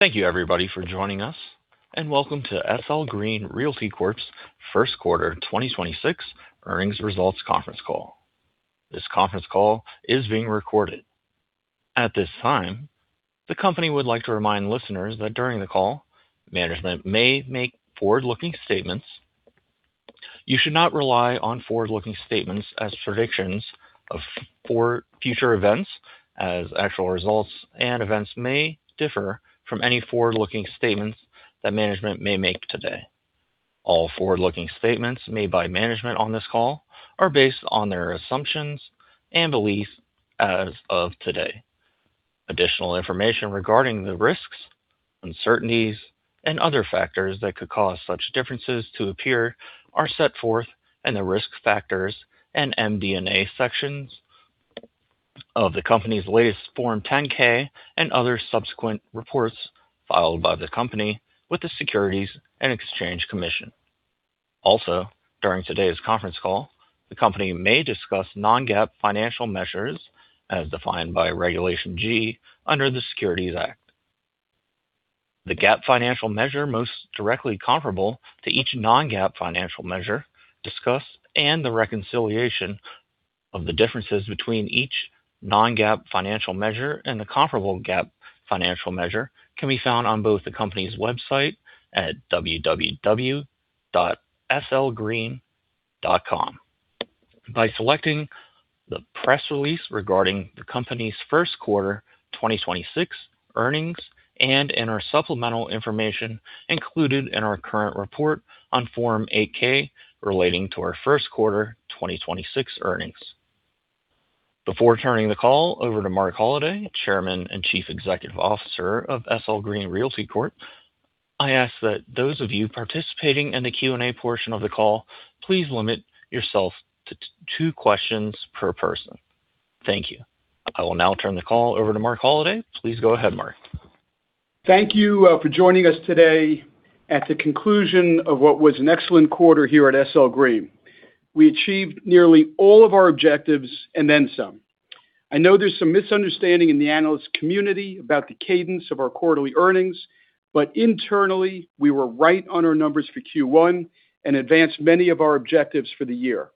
Thank you everybody for joining us, and welcome to SL Green Realty Corp's first quarter 2026 earnings results conference call. This conference call is being recorded. At this time, the company would like to remind listeners that during the call, management may make forward-looking statements. You should not rely on forward-looking statements as predictions of future events, as actual results and events may differ from any forward-looking statements that management may make today. All forward-looking statements made by management on this call are based on their assumptions and beliefs as of today. Additional information regarding the risks, uncertainties and other factors that could cause such differences to appear are set forth in the Risk Factors and MD&A sections of the company's latest Form 10-K and other subsequent reports filed by the company with the Securities and Exchange Commission. During today's conference call, the company may discuss non-GAAP financial measures as defined by Regulation G under the Securities Act. The GAAP financial measure most directly comparable to each non-GAAP financial measure discussed, and the reconciliation of the differences between each non-GAAP financial measure and the comparable GAAP financial measure can be found on both the company's website at www.slgreen.com, by selecting the press release regarding the company's first quarter 2026 earnings and in our supplemental information included in our current report on Form 8-K relating to our first quarter 2026 earnings. Before turning the call over to Marc Holliday, Chairman and Chief Executive Officer of SL Green Realty Corp., I ask that those of you participating in the Q and A portion of the call, please limit yourself to two questions per person. Thank you. I will now turn the call over to Marc Holliday. Please go ahead, Marc. Thank you for joining us today at the conclusion of what was an excellent quarter here at SL Green. We achieved nearly all of our objectives and then some. I know there's some misunderstanding in the analyst community about the cadence of our quarterly earnings, but internally, we were right on our numbers for Q1 and advanced many of our objectives for the year.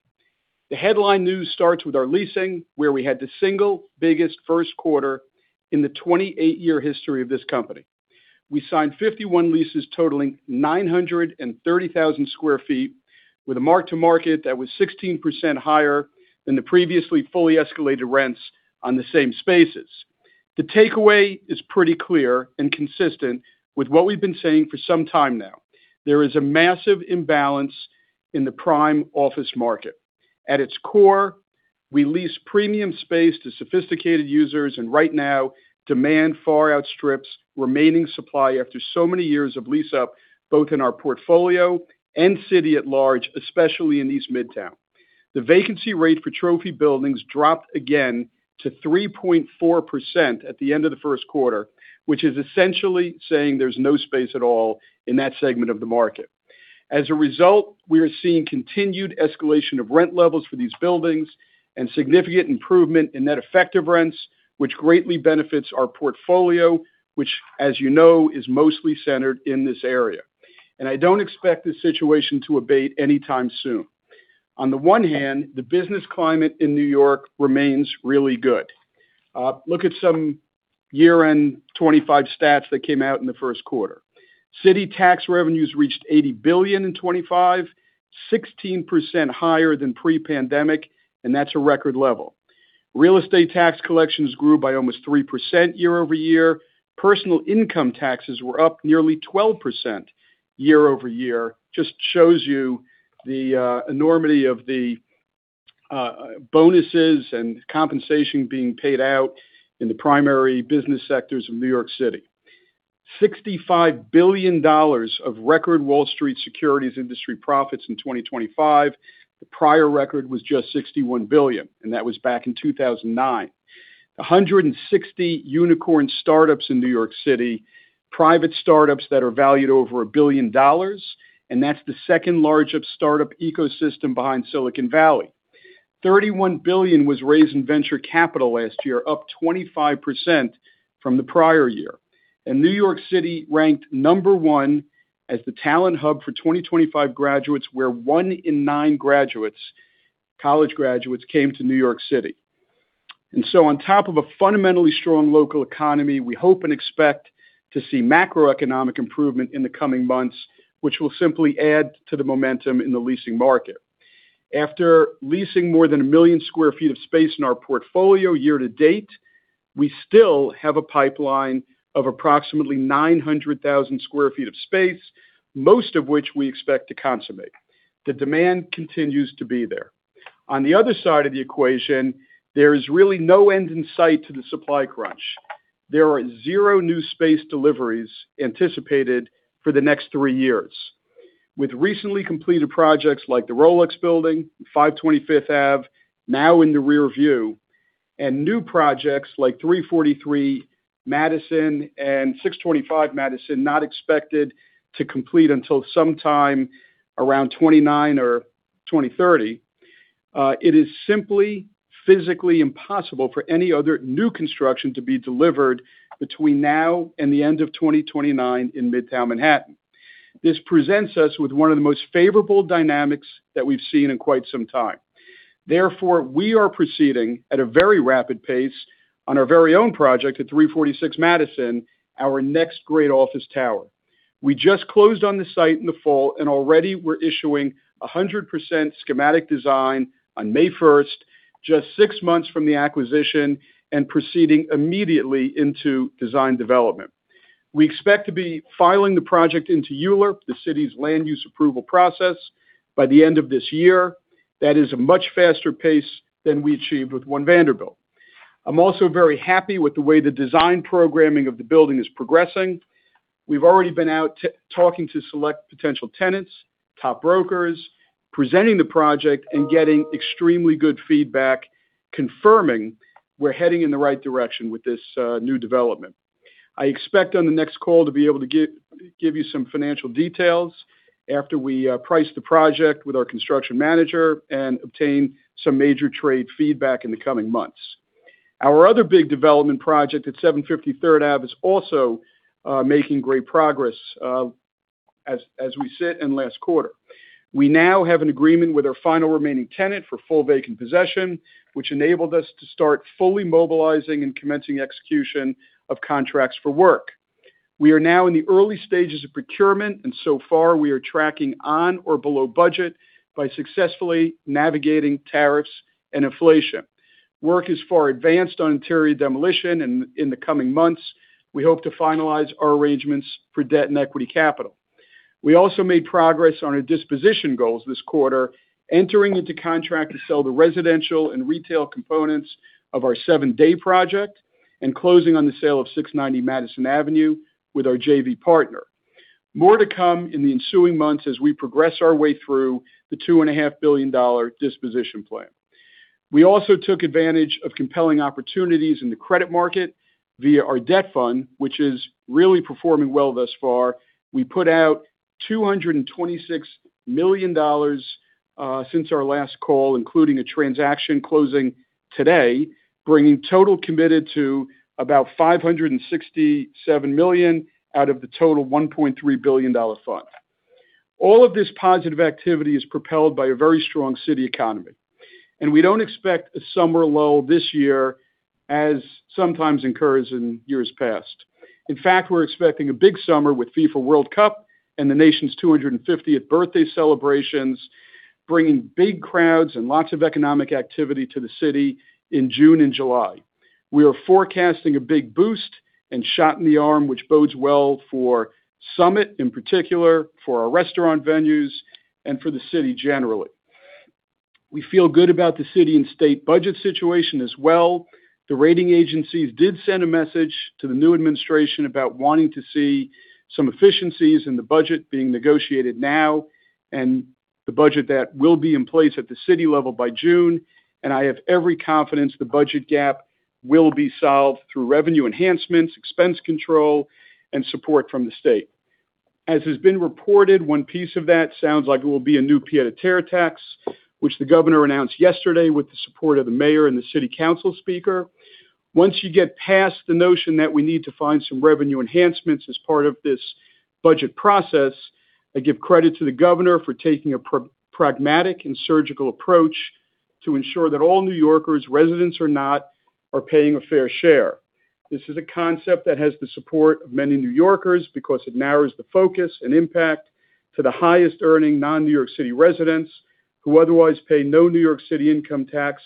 The headline news starts with our leasing, where we had the single biggest first quarter in the 28-year history of this company. We signed 51 leases totaling 930,000 sq ft, with a mark-to-market that was 16% higher than the previously fully escalated rents on the same spaces. The takeaway is pretty clear and consistent with what we've been saying for some time now. There is a massive imbalance in the prime office market. At its core, we lease premium space to sophisticated users, and right now, demand far outstrips remaining supply after so many years of lease up, both in our portfolio and city at large, especially in East Midtown. The vacancy rate for trophy buildings dropped again to 3.4% at the end of the first quarter, which is essentially saying there's no space at all in that segment of the market. As a result, we are seeing continued escalation of rent levels for these buildings and significant improvement in net effective rents, which greatly benefits our portfolio, which, as you know, is mostly centered in this area. I don't expect this situation to abate anytime soon. On the one hand, the business climate in New York remains really good. Look at some year-end 2025 stats that came out in the first quarter. City tax revenues reached $80 billion in 2025, 16% higher than pre-pandemic, and that's a record level. Real estate tax collections grew by almost 3% year-over-year. Personal income taxes were up nearly 12% year-over-year. Just shows you the enormity of the bonuses and compensation being paid out in the primary business sectors of New York City. $65 billion of record Wall Street securities industry profits in 2025. The prior record was just $61 billion, and that was back in 2009. 160 unicorn startups in New York City, private startups that are valued over $1 billion, and that's the second largest startup ecosystem behind Silicon Valley. $31 billion was raised in venture capital last year, up 25% from the prior year. New York City ranked number one as the talent hub for 2025 graduates, where one in nine graduates, college graduates, came to New York City. On top of a fundamentally strong local economy, we hope and expect to see macroeconomic improvement in the coming months, which will simply add to the momentum in the leasing market. After leasing more than a million sq ft of space in our portfolio year to date, we still have a pipeline of approximately 900,000 sq ft of space, most of which we expect to consummate. The demand continues to be there. On the other side of the equation, there is really no end in sight to the supply crunch. There are zero new space deliveries anticipated for the next three years. With recently completed projects like the Rolex Building, 520 5th Ave, now in the rear view, and new projects like 343 Madison and 625 Madison not expected to complete until sometime around 2029 or 2030, it is simply physically impossible for any other new construction to be delivered between now and the end of 2029 in Midtown Manhattan. This presents us with one of the most favorable dynamics that we've seen in quite some time. Therefore, we are proceeding at a very rapid pace on our very own project at 346 Madison, our next great office tower. We just closed on the site in the fall, and already we're issuing 100% schematic design on May 1st, just six months from the acquisition, and proceeding immediately into design development. We expect to be filing the project into ULURP, the city's land use approval process, by the end of this year. That is a much faster pace than we achieved with One Vanderbilt. I'm also very happy with the way the design programming of the building is progressing. We've already been out talking to select potential tenants, top brokers, presenting the project and getting extremely good feedback, confirming we're heading in the right direction with this new development. I expect on the next call to be able to give you some financial details after we price the project with our construction manager and obtain some major trade feedback in the coming months. Our other big development project at 750 3rd Ave is also making great progress as we sit here in last quarter. We now have an agreement with our final remaining tenant for full vacant possession, which enabled us to start fully mobilizing and commencing execution of contracts for work. We are now in the early stages of procurement, and so far we are tracking on or below budget by successfully navigating tariffs and inflation. Work is far advanced on interior demolition, and in the coming months, we hope to finalize our arrangements for debt and equity capital. We also made progress on our disposition goals this quarter, entering into contract to sell the residential and retail components of our 7 Dey project and closing on the sale of 690 Madison Avenue with our JV partner. More to come in the ensuing months as we progress our way through the $2.5 billion disposition plan. We also took advantage of compelling opportunities in the credit market via our debt fund, which is really performing well thus far. We put out $226 million since our last call, including a transaction closing today, bringing total committed to about $567 million out of the total $1.3 billion fund. All of this positive activity is propelled by a very strong city economy, and we don't expect a summer lull this year as sometimes occurs in years past. In fact, we're expecting a big summer with FIFA World Cup and the nation's 250th birthday celebrations, bringing big crowds and lots of economic activity to the city in June and July. We are forecasting a big boost and shot in the arm, which bodes well for Summit in particular, for our restaurant venues, and for the city generally. We feel good about the city and state budget situation as well. The rating agencies did send a message to the new administration about wanting to see some efficiencies in the budget being negotiated now, and the budget that will be in place at the city level by June. I have every confidence the budget gap will be solved through revenue enhancements, expense control, and support from the state. As has been reported, one piece of that sounds like it will be a new pied-à-terre tax, which the governor announced yesterday with the support of the mayor and the city council speaker. Once you get past the notion that we need to find some revenue enhancements as part of this budget process, I give credit to the governor for taking a pragmatic and surgical approach to ensure that all New Yorkers, residents or not, are paying a fair share. This is a concept that has the support of many New Yorkers because it narrows the focus and impact to the highest earning non-New York City residents who otherwise pay no New York City income tax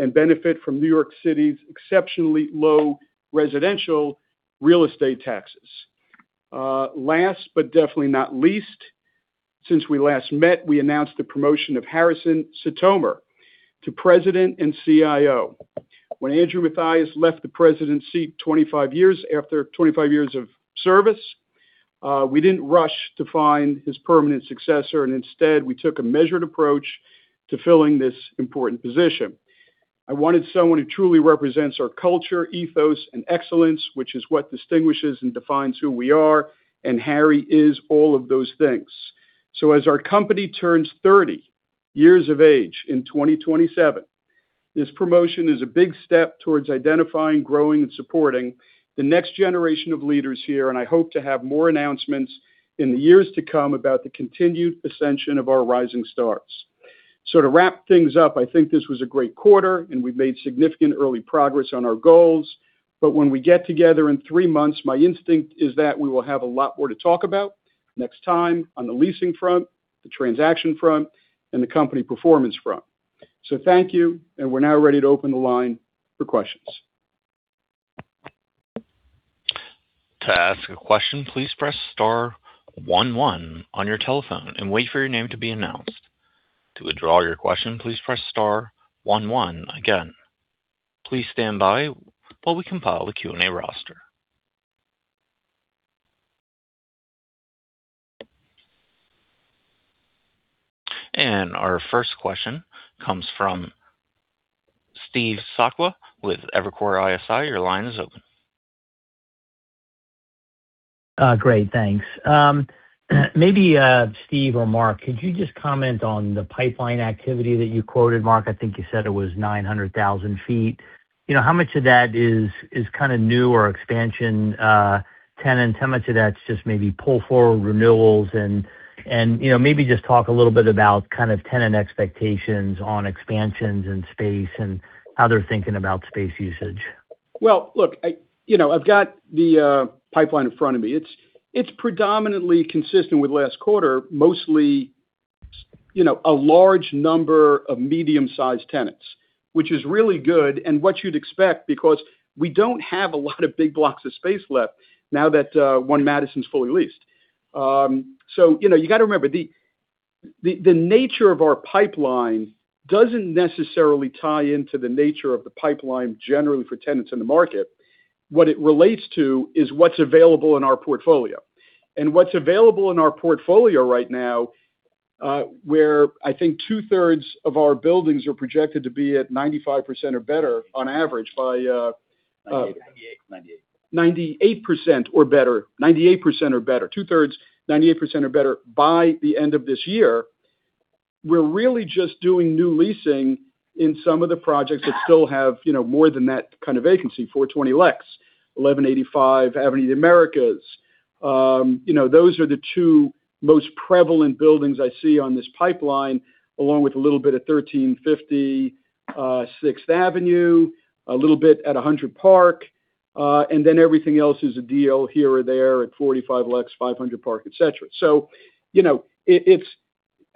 and benefit from New York City's exceptionally low residential real estate taxes. Last but definitely not least, since we last met, we announced the promotion of Harrison Sitomer to President and CIO. When Andrew Mathias left the presidency after 25 years of service, we didn't rush to find his permanent successor, and instead we took a measured approach to filling this important position. I wanted someone who truly represents our culture, ethos, and excellence, which is what distinguishes and defines who we are, and Harrison is all of those things. As our company turns 30 years of age in 2027, this promotion is a big step towards identifying, growing, and supporting the next generation of leaders here. I hope to have more announcements in the years to come about the continued ascension of our rising stars. To wrap things up, I think this was a great quarter, and we've made significant early progress on our goals. When we get together in three months, my instinct is that we will have a lot more to talk about next time on the leasing front, the transaction front, and the company performance front. Thank you, and we're now ready to open the line for questions. To ask a question, please press star one one on your telephone and wait for your name to be announced. To withdraw your question, please press star one one again. Please stand by while we compile the Q and A roster. Our first question comes from Steve Sakwa with Evercore ISI. Your line is open. Great, thanks. Maybe Steve or Marc, could you just comment on the pipeline activity that you quoted, Marc? cI think you said it was 900,000 feet. How much of that is kind of new or expansion tenants? How much of that's just maybe pull-forward renewals? Maybe just talk a little bit about tenant expectations on expansions and space and how they're thinking about space usage. Well, look, I've got the pipeline in front of me. It's predominantly consistent with last quarter. Mostly, a large number of medium-sized tenants. Which is really good and what you'd expect, because we don't have a lot of big blocks of space left now that One Madison's fully leased. So you got to remember, the nature of our pipeline doesn't necessarily tie into the nature of the pipeline generally for tenants in the market. What it relates to is what's available in our portfolio. What's available in our portfolio right now, where I think two-thirds of our buildings are projected to be at 95% or better on average by— 98. 98% or better. Two-thirds, 98% or better by the end of this year. We're really just doing new leasing in some of the projects that still have more than that kind of vacancy, 420 Lex, 1185 Avenue of the Americas. Those are the two most prevalent buildings I see on this pipeline, along with a little bit of 1350 6th Avenue, a little bit at 100 Park. Then everything else is a deal here or there at 45 Lex, 500 Park, et cetera.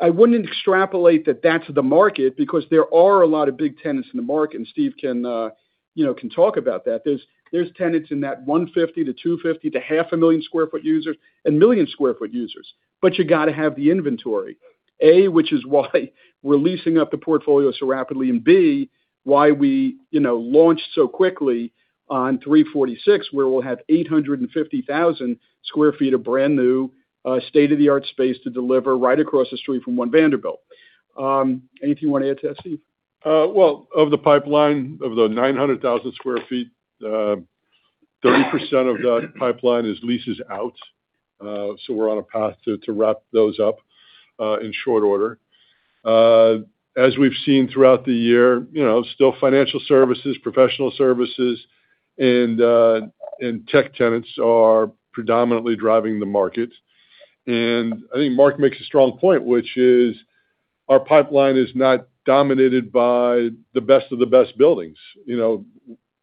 I wouldn't extrapolate that that's the market, because there are a lot of big tenants in the market, and Steve can talk about that. There's tenants in that 150 to 250 to half a million square foot users and million square foot users. You got to have the inventory. A, which is why we're leasing up the portfolio so rapidly, and B, why we launched so quickly on 346, where we'll have 850,000 sq ft of brand-new, state-of-the-art space to deliver right across the street from One Vanderbilt. Anything you want to add to that, Steve? Well, of the pipeline, of the 900,000 sq ft, 30% of that pipeline is leased out. We're on a path to wrap those up in short order. As we've seen throughout the year, still financial services, professional services, and tech tenants are predominantly driving the market. I think Marc makes a strong point, which is our pipeline is not dominated by the best of the best buildings.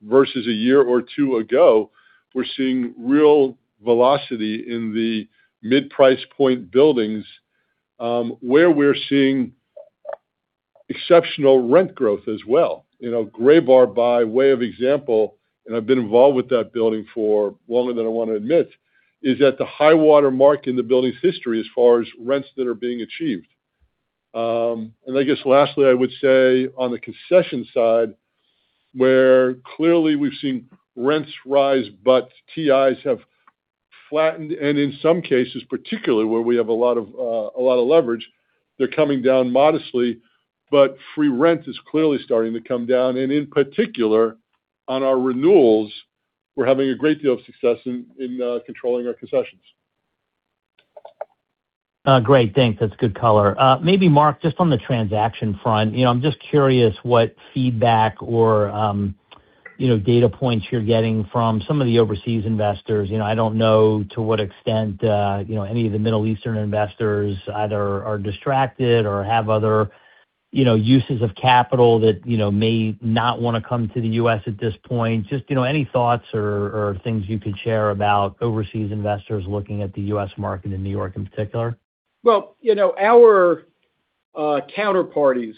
Versus a year or two ago, we're seeing real velocity in the mid-price point buildings, where we're seeing exceptional rent growth as well. Graybar, by way of example, and I've been involved with that building for longer than I want to admit, is at the high water mark in the building's history as far as rents that are being achieved. I guess lastly, I would say on the concession side, where clearly we've seen rents rise but TIs have flattened, and in some cases, particularly where we have a lot of leverage, they're coming down modestly. Free rent is clearly starting to come down. In particular, on our renewals, we're having a great deal of success in controlling our concessions. Great. Thanks. That's good color. Maybe Marc, just on the transaction front, I'm just curious what feedback or data points you're getting from some of the overseas investors. I don't know to what extent any of the Middle Eastern investors either are distracted or have other uses of capital that may not want to come to the U.S. at this point. Just any thoughts or things you could share about overseas investors looking at the U.S. market and New York in particular? Well, our counterparties,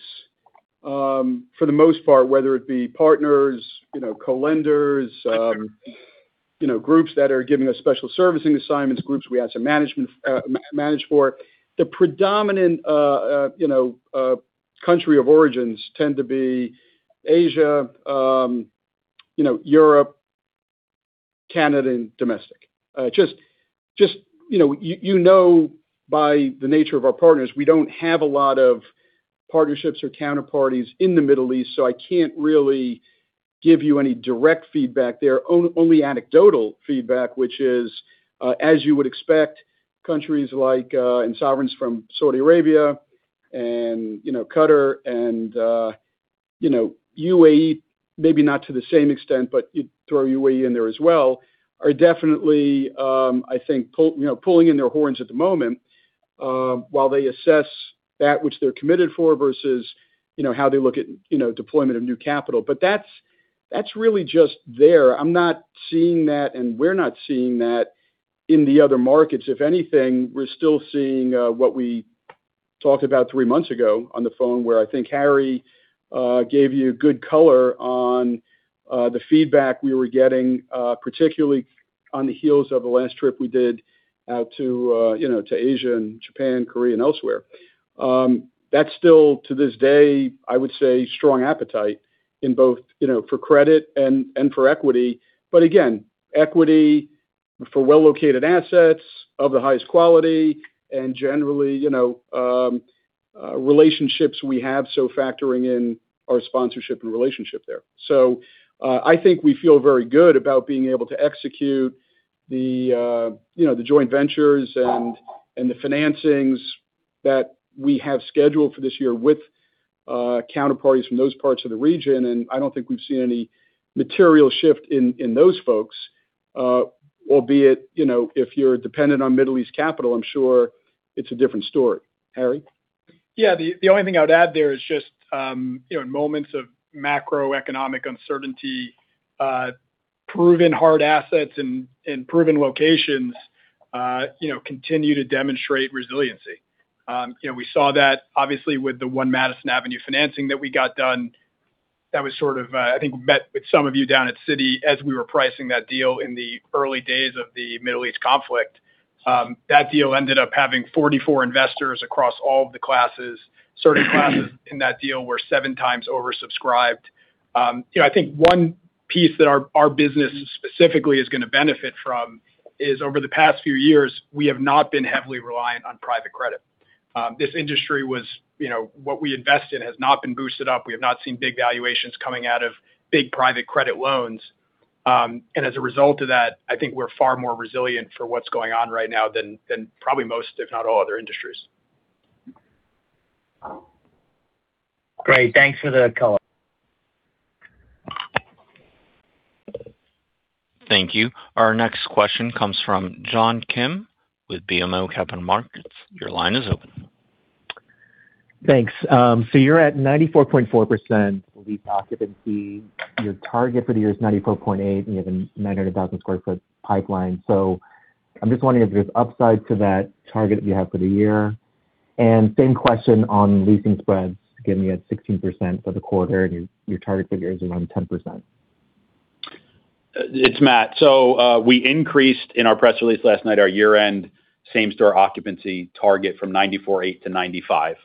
for the most part, whether it be partners, co-lenders, groups that are giving us special servicing assignments, groups we have to manage for, the predominant country of origins tend to be Asia, Europe, Canada, and domestic. Just you know by the nature of our partners, we don't have a lot of partnerships or counterparties in the Middle East, so I can't really give you any direct feedback there. Only anecdotal feedback, which is, as you would expect, countries and sovereigns from Saudi Arabia and Qatar and UAE, maybe not to the same extent, but you'd throw UAE in there as well, are definitely, I think, pulling in their horns at the moment, while they assess that which they're committed for versus how they look at deployment of new capital. But that's really just there. I'm not seeing that, and we're not seeing that in the other markets. If anything, we're still seeing what we talked about three months ago on the phone, where I think Harrison gave you good color on the feedback we were getting, particularly on the heels of the last trip we did out to Asia and Japan, Korea, and elsewhere. That's still, to this day, I would say, strong appetite in both for credit and for equity. Again, equity for well-located assets of the highest quality and generally relationships we have, so factoring in our sponsorship and relationship there. I think we feel very good about being able to execute the joint ventures and the financings that we have scheduled for this year with counterparties from those parts of the region. I don't think we've seen any material shift in those folks. Albeit, if you're dependent on Middle East capital, I'm sure it's a different story. Harrison? Yeah. The only thing I would add there is just, in moments of macroeconomic uncertainty, proven hard assets in proven locations continue to demonstrate resiliency. We saw that obviously with the 1 Madison Avenue financing that we got done. That was sort of, I think, met with some of you down at Citi as we were pricing that deal in the early days of the Middle East conflict. That deal ended up having 44 investors across all of the classes. Certain classes in that deal were seven times oversubscribed. I think one piece that our business specifically is going to benefit from is over the past few years, we have not been heavily reliant on private credit. This industry was what we invest in has not been boosted up. We have not seen big valuations coming out of big private credit loans. As a result of that, I think we're far more resilient for what's going on right now than probably most, if not all, other industries. Great, thanks for the call. Thank you. Our next question comes from John Kim with BMO Capital Markets. Your line is open. Thanks. You're at 94.4% lease occupancy. Your target for the year is 94.8%, and you have a 900,000 sq ft pipeline. I'm just wondering if there's upside to that target that you have for the year. Same question on leasing spreads. Again, you had 16% for the quarter, and your target figure is around 10%. It's Matt. We increased in our press release last night our year-end same-store occupancy target from 94.8% to 95%.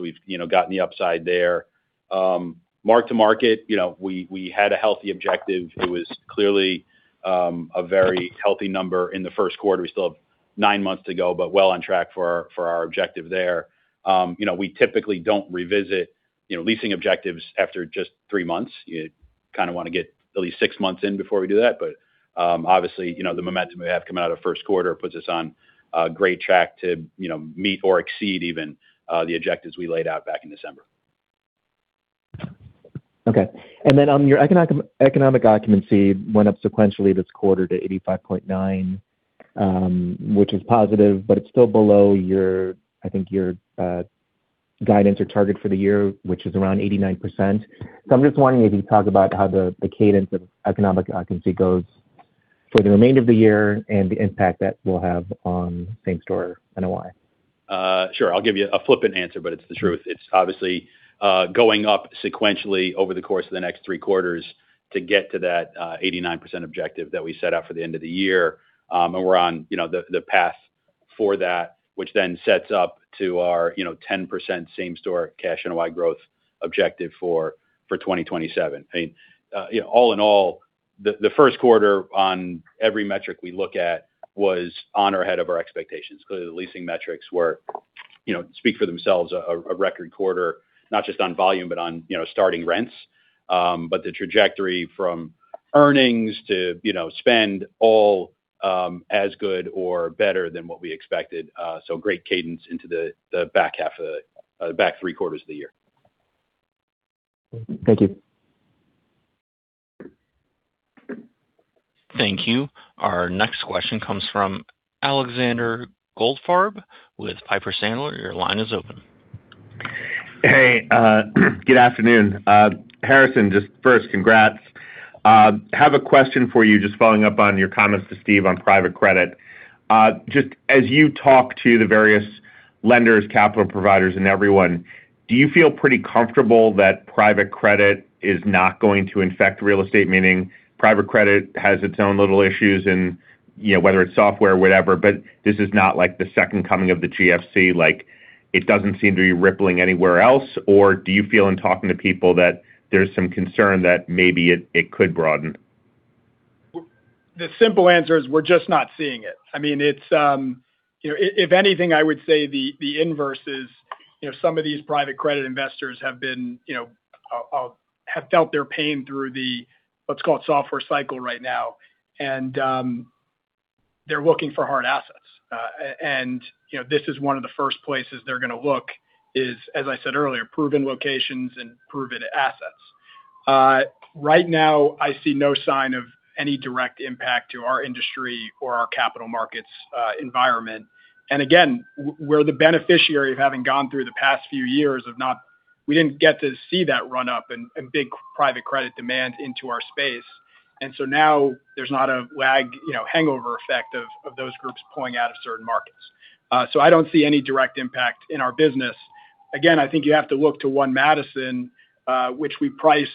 We've gotten the upside there. Marc to market, we had a healthy objective. It was clearly a very healthy number in the first quarter. We still have nine months to go, but well on track for our objective there. We typically don't revisit leasing objectives after just three months. You kind of want to get at least six months in before we do that. Obviously, the momentum we have coming out of first quarter puts us on a great track to meet or exceed even the objectives we laid out back in December. Okay. On your economic occupancy went up sequentially this quarter to 85.9%, which is positive, but it's still below your, I think your, guidance or target for the year, which is around 89%. I'm just wondering if you could talk about how the cadence of economic occupancy goes for the remainder of the year and the impact that will have on same store NOI. Sure. I'll give you a flippant answer, but it's the truth. It's obviously going up sequentially over the course of the next three quarters to get to that 89% objective that we set out for the end of the year. We're on the path for that, which then sets up to our 10% same store cash NOI growth objective for 2027. I mean, all in all, the first quarter on every metric we look at was on or ahead of our expectations. Clearly, the leasing metrics speak for themselves, a record quarter, not just on volume, but on starting rents. But the trajectory from earnings to spend, all as good or better than what we expected. Great cadence into the back three quarters of the year. Thank you. Thank you. Our next question comes from Alexander Goldfarb with Piper Sandler. Your line is open. Hey. Good afternoon. Harrison, just first, congrats. I have a question for you, just following up on your comments to Steve on private credit. Just as you talk to the various lenders, capital providers, and everyone, do you feel pretty comfortable that private credit is not going to infect real estate, meaning private credit has its own little issues and whether it's software, whatever, but this is not like the second coming of the GFC, like it doesn't seem to be rippling anywhere else? Or do you feel in talking to people that there's some concern that maybe it could broaden? The simple answer is we're just not seeing it. I mean, if anything, I would say the inverse is some of these private credit investors have felt their pain through the, let's call it software cycle right now. They're looking for hard assets. This is one of the first places they're going to look is, as I said earlier, proven locations and proven assets. Right now, I see no sign of any direct impact to our industry or our capital markets environment. Again, we're the beneficiary of having gone through the past few years we didn't get to see that run up in big private credit demand into our space. Now there's not a lag, hangover effect of those groups pulling out of certain markets. I don't see any direct impact in our business. Again, I think you have to look to 1 Madison, which we priced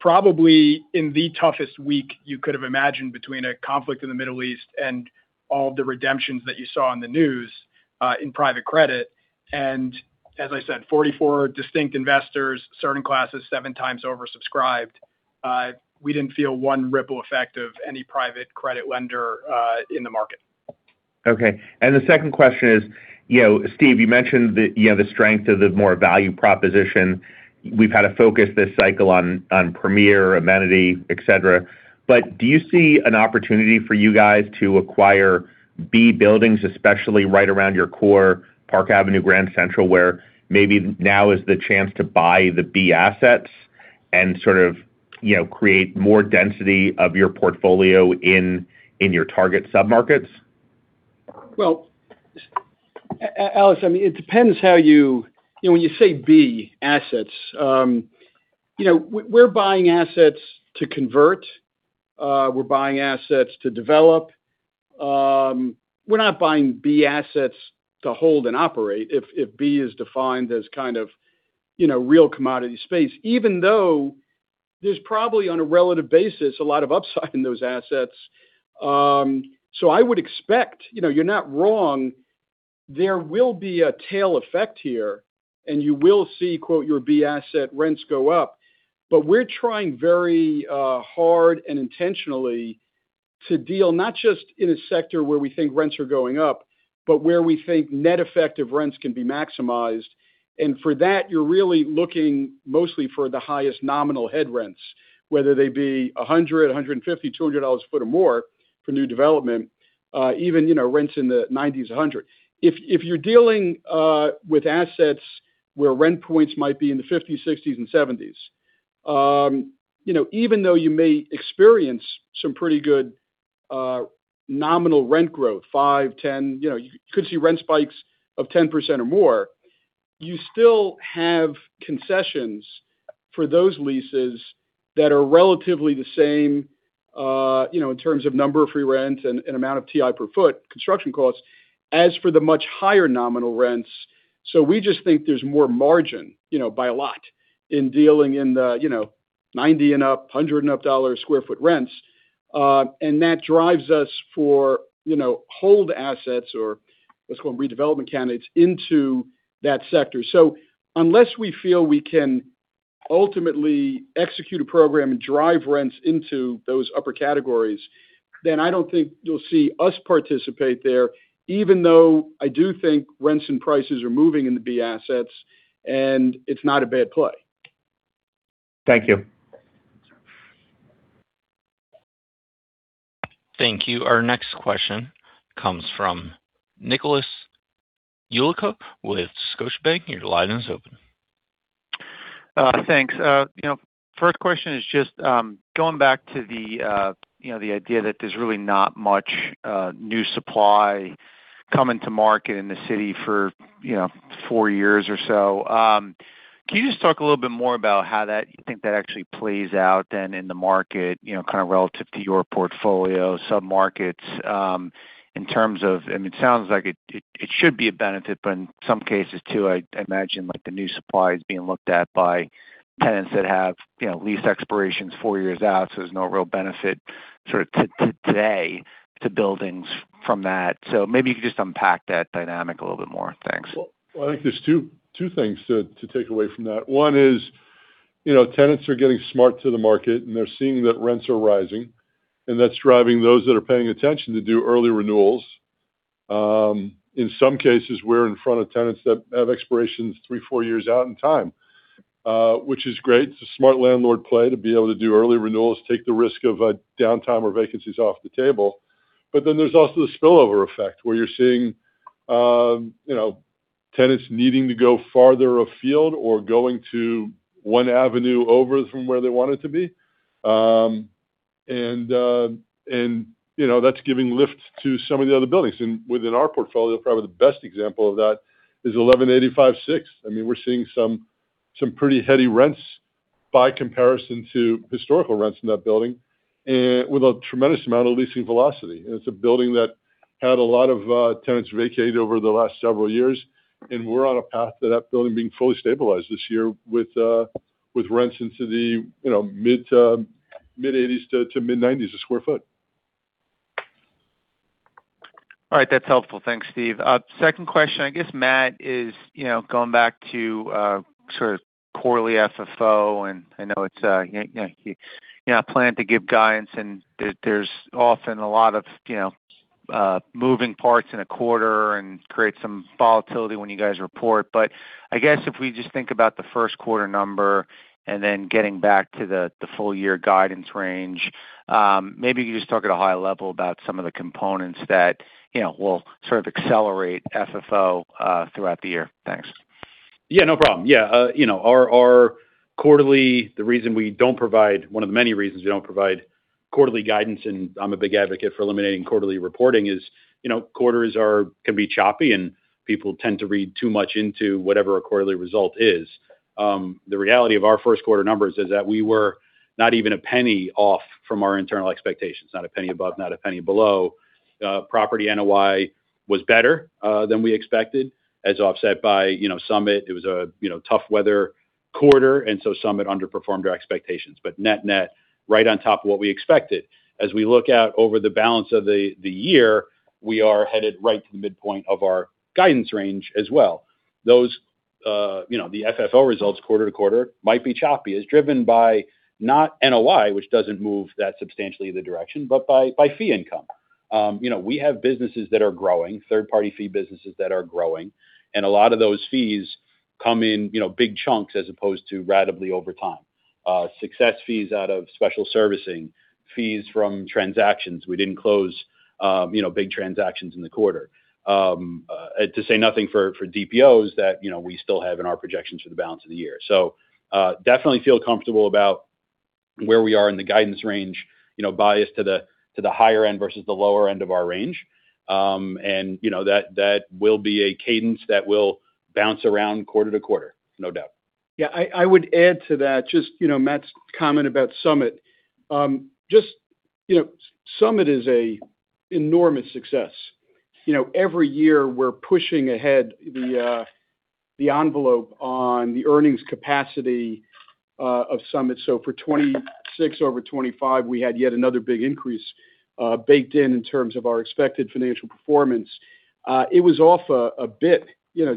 probably in the toughest week you could have imagined between a conflict in the Middle East and all of the redemptions that you saw on the news, in private credit. As I said, 44 distinct investors, certain classes, seven times oversubscribed. We didn't feel one ripple effect of any private credit lender in the market. Okay. The second question is, Steve, you mentioned the strength of the more value proposition. We've had a focus this cycle on premier amenity, et cetera, but do you see an opportunity for you guys to acquire B buildings, especially right around your core Park Avenue, Grand Central, where maybe now is the chance to buy the B assets and sort of create more density of your portfolio in your target sub-markets? Well, Alex, it depends. When you say B assets, we're buying assets to convert. We're buying assets to develop. We're not buying B assets to hold and operate, if B is defined as kind of real commodity space, even though there's probably, on a relative basis, a lot of upside in those assets. I would expect, you're not wrong, there will be a tail effect here, and you will see, quote, your B asset rents go up. We're trying very hard and intentionally to deal not just in a sector where we think rents are going up, but where we think net effect of rents can be maximized. For that, you're really looking mostly for the highest nominal head rents, whether they be $100, $150, $200 a foot or more for new development, even rents in the $90s, $100. If you're dealing with assets where rent points might be in the $50s, $60s and $70s, even though you may experience some pretty good nominal rent growth, five, 10, you could see rent spikes of 10% or more. You still have concessions for those leases that are relatively the same, in terms of number of free rent and amount of TI per sq ft construction costs, as for the much higher nominal rents. We just think there's more margin, by a lot, in dealing in the $90s and up, $100s and up per sq ft rents. That drives us for hold assets or let's call them redevelopment candidates into that sector. Unless we feel we can ultimately execute a program and drive rents into those upper categories, then I don't think you'll see us participate there, even though I do think rents and prices are moving in the B assets and it's not a bad play. Thank you. Thank you. Our next question comes from Nicholas Yulico with Scotiabank. Your line is open. Thanks. First question is just going back to the idea that there's really not much new supply coming to market in the city for four years or so. Can you just talk a little bit more about how that you think that actually plays out then in the market, kind of relative to your portfolio, sub-markets, in terms of. It sounds like it should be a benefit, but in some cases too, I'd imagine like the new supply is being looked at by tenants that have lease expirations four years out, so there's no real benefit sort of today to buildings from that. So maybe you could just unpack that dynamic a little bit more. Thanks. Well, I think there's two things to take away from that. One is, tenants are getting smart to the market, and they're seeing that rents are rising, and that's driving those that are paying attention to do early renewals. In some cases, we're in front of tenants that have expirations three, four years out in time, which is great. It's a smart landlord play to be able to do early renewals, take the risk of a downtime or vacancies off the table. There's also the spillover effect, where you're seeing tenants needing to go farther afield or going to one avenue over from where they wanted to be. That's giving lift to some of the other buildings. Within our portfolio, probably the best example of that is 1185 6th. We're seeing some pretty heady rents by comparison to historical rents in that building, with a tremendous amount of leasing velocity. It's a building that had a lot of tenants vacate over the last several years, and we're on a path to that building being fully stabilized this year with rents into the mid-$80s to mid-$90s per sq ft. All right. That's helpful. Thanks, Steve. Second question, I guess, Matt, is going back to sort of quarterly FFO, and I know you're not planning to give guidance, and there's often a lot of moving parts in a quarter and creates some volatility when you guys report. I guess if we just think about the first quarter number and then getting back to the full year guidance range, maybe you could just talk at a high level about some of the components that will sort of accelerate FFO throughout the year. Thanks. Yeah, no problem. Yeah. One of the many reasons we don't provide quarterly guidance, and I'm a big advocate for eliminating quarterly reporting, is quarters can be choppy, and people tend to read too much into whatever a quarterly result is. The reality of our first quarter numbers is that we were not even a penny off from our internal expectations, not a penny above, not a penny below. Property NOI was better than we expected. As offset by Summit, it was a tough weather quarter, and so Summit underperformed our expectations. Net, right on top of what we expected. As we look out over the balance of the year, we are headed right to the midpoint of our guidance range as well. Though the FFO results quarter to quarter might be choppy. It's driven by not NOI, which doesn't move that substantially in the direction, but by fee income. We have businesses that are growing, third-party fee businesses that are growing, and a lot of those fees come in big chunks as opposed to ratably over time, success fees out of special servicing, fees from transactions. We didn't close big transactions in the quarter. To say nothing of DPOs that we still have in our projections for the balance of the year. Definitely feel comfortable about where we are in the guidance range, biased to the higher end versus the lower end of our range. That will be a cadence that will bounce around quarter to quarter, no doubt. Yeah, I would add to that, just Matt's comment about Summit. Summit is an enormous success. Every year we're pushing ahead the envelope on the earnings capacity of Summit. So for 2026 over 2025, we had yet another big increase baked in terms of our expected financial performance. It was off a bit,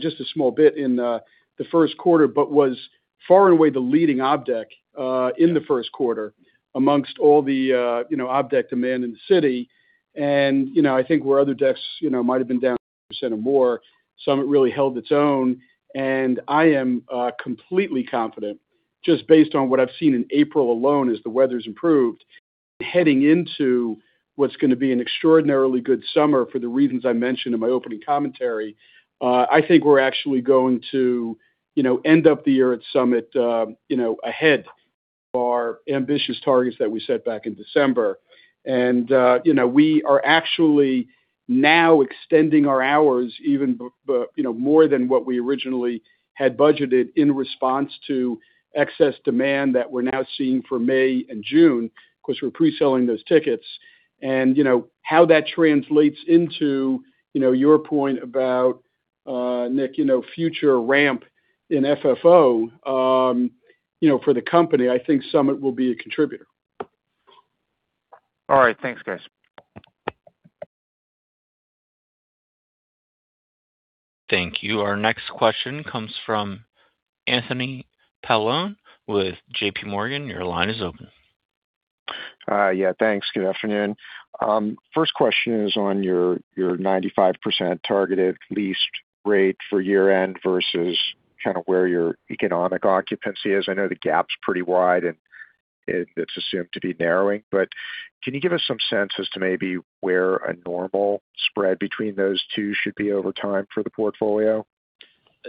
just a small bit in the first quarter, but was far and away the leading observation deck in the first quarter amongst all the observation deck demand in the city. I think where other decks might have been down 10% or more, Summit really held its own. I am completely confident, just based on what I've seen in April alone as the weather's improved, heading into what's going to be an extraordinarily good summer for the reasons I mentioned in my opening commentary. I think we're actually going to end up the year at Summit ahead of our ambitious targets that we set back in December. We are actually now extending our hours even more than what we originally had budgeted in response to excess demand that we're now seeing for May and June, because we're pre-selling those tickets. How that translates into your point about, Nicholas, future ramp in FFO for the company, I think Summit will be a contributor. All right, thanks, guys. Thank you. Our next question comes from Anthony Paolone with JPMorgan. Your line is open. Yeah, thanks. Good afternoon. First question is on your 95% targeted leased rate for year-end versus kind of where your economic occupancy is. I know the gap's pretty wide and it's assumed to be narrowing, but can you give us some sense as to maybe where a normal spread between those two should be over time for the portfolio?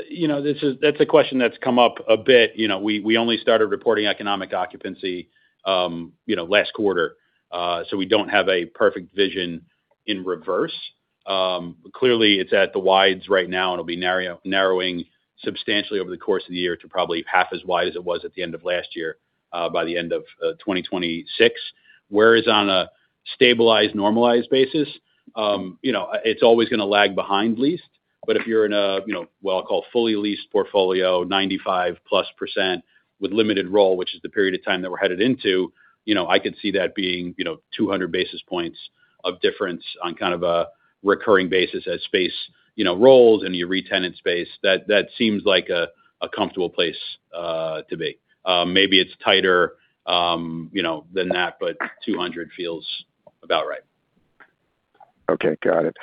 That's a question that's come up a bit. We only started reporting economic occupancy last quarter, so we don't have a perfect vision in reverse. Clearly, it's at the widest right now, and it'll be narrowing substantially over the course of the year to probably half as wide as it was at the end of last year, by the end of 2026. Whereas on a stabilized, normalized basis, it's always going to lag behind leased. If you're in a, what I'll call fully leased portfolio, 95%+, with limited roll, which is the period of time that we're headed into, I could see that being 200 basis points of difference on kind of a recurring basis as space rolls and you retenant space. That seems like a comfortable place to be. Maybe it's tighter than that, but 200 feels about right. Okay, got it.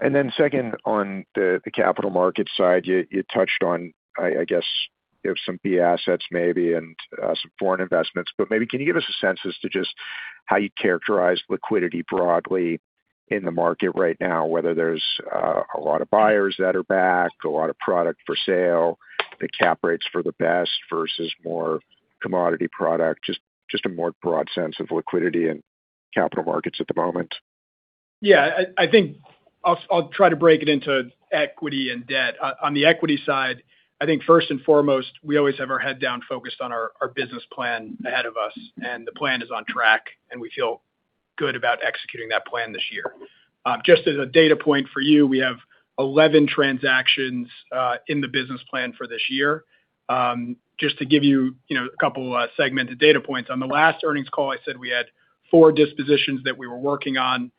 Then second, on the capital markets side, you touched on, I guess, some B assets maybe, and some foreign investments, but maybe can you give us a sense as to just how you characterize liquidity broadly in the market right now, whether there's a lot of buyers that are back, a lot of product for sale, the cap rates for the best versus more commodity product, just a more broad sense of liquidity and capital markets at the moment? Yeah, I think I'll try to break it into equity and debt. On the equity side, I think first and foremost, we always have our head down focused on our business plan ahead of us, and the plan is on track, and we feel good about executing that plan this year. Just as a data point for you, we have 11 transactions in the business plan for this year. Just to give you a couple segmented data points. On the last earnings call, I said we had four dispositions that we were working on.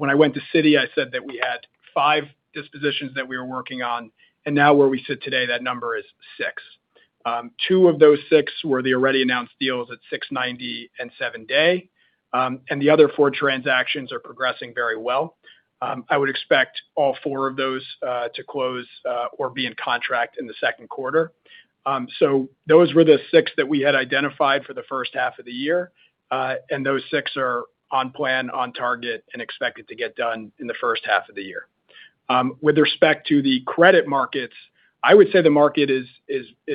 When I went to Citi, I said that we had five dispositions that we were working on, and now where we sit today, that number is six. Two of those six were the already announced deals at 690 and 7 Dey. The other four transactions are progressing very well. I would expect all four of those to close or be in contract in the second quarter. Those were the six that we had identified for the first half of the year. Those six are on plan, on target, and expected to get done in the first half of the year. With respect to the credit markets, I would say the market is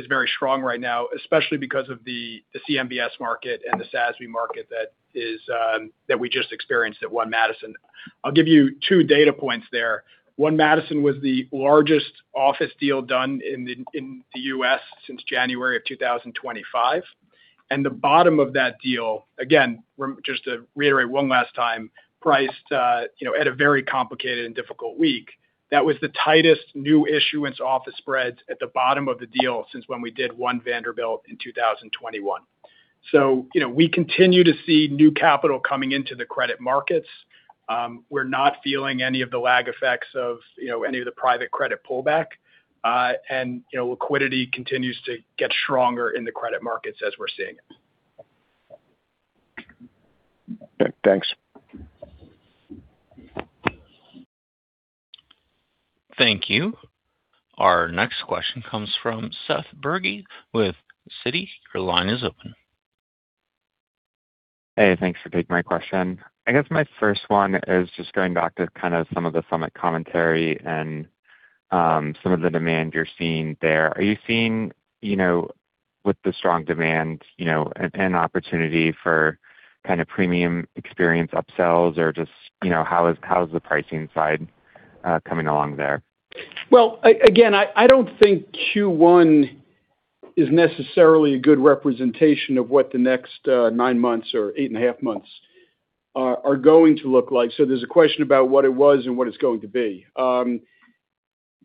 very strong right now, especially because of the CMBS market and the SASB market that we just experienced at One Madison. I'll give you two data points there. 1 Madison was the largest office deal done in the U.S. since January of 2025. The bottom of that deal, again, just to reiterate one last time, priced at a very complicated and difficult week. That was the tightest new issuance office spreads at the bottom of the deal since when we did One Vanderbilt in 2021. We continue to see new capital coming into the credit markets. We're not feeling any of the lag effects of any of the private credit pullback. Liquidity continues to get stronger in the credit markets as we're seeing it. Okay, thanks. Thank you. Our next question comes from Seth Bergey with Citi. Your line is open. Hey, thanks for taking my question. I guess my first one is just going back to kind of some of the Summit commentary and some of the demand you're seeing there. Are you seeing, with the strong demand, an opportunity for kind of premium experience upsells? Or just, how's the pricing side coming along there? Well, again, I don't think Q1 is necessarily a good representation of what the next nine months or 8.5 months are going to look like. There's a question about what it was and what it's going to be.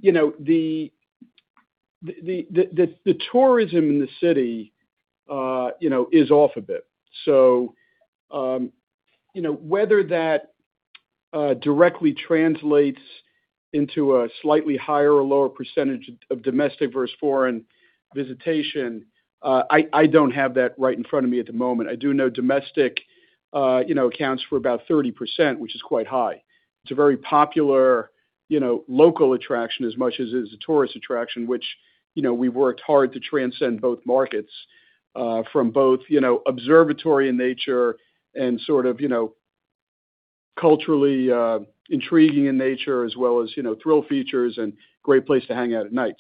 The tourism in the city is off a bit. Whether that directly translates into a slightly higher or lower percentage of domestic versus foreign visitation, I don't have that right in front of me at the moment. I do know domestic accounts for about 30%, which is quite high. It's a very popular local attraction as much as it is a tourist attraction, which we worked hard to transcend both markets, from both observatory in nature and sort of culturally intriguing in nature, as well as thrill features and great place to hang out at night.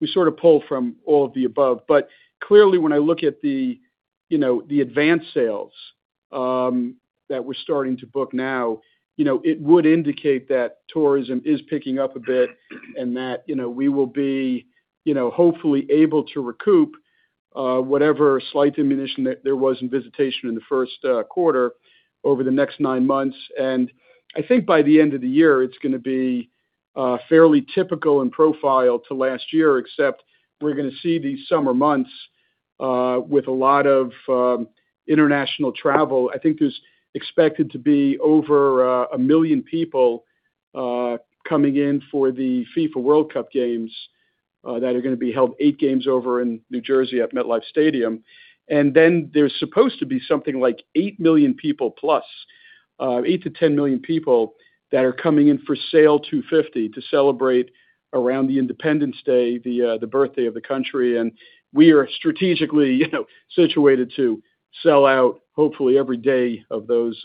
We sort of pull from all of the above. Clearly when I look at the advanced sales that we're starting to book now, it would indicate that tourism is picking up a bit and that we will be hopefully able to recoup whatever slight diminution that there was in visitation in the first quarter over the next nine months. I think by the end of the year, it's going to be fairly typical in profile to last year, except we're going to see these summer months with a lot of international travel. I think there's expected to be over a million people coming in for the FIFA World Cup games that are going to be held eight games over in New Jersey at MetLife Stadium. There's supposed to be something like eight million people plus, eight to 10 million people that are coming in for Sail 250 to celebrate around the Independence Day, the birthday of the country, and we are strategically situated to sell out hopefully every day of those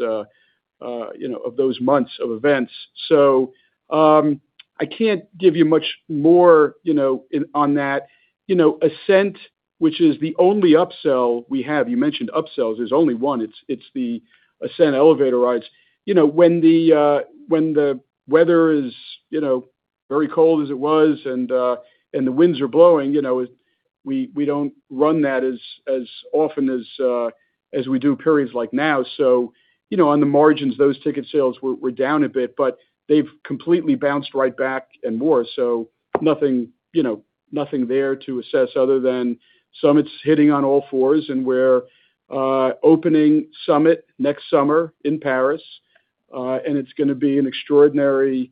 months of events. I can't give you much more on that. Ascent, which is the only upsell we have, you mentioned upsells, there's only one. It's the Ascent elevator rides. When the weather is very cold as it was and the winds are blowing, we don't run that as often as we do periods like now. On the margins, those ticket sales were down a bit, but they've completely bounced right back and more. Nothing there to assess other than Summit's hitting on all fours and we're opening Summit next summer in Paris. It's going to be an extraordinary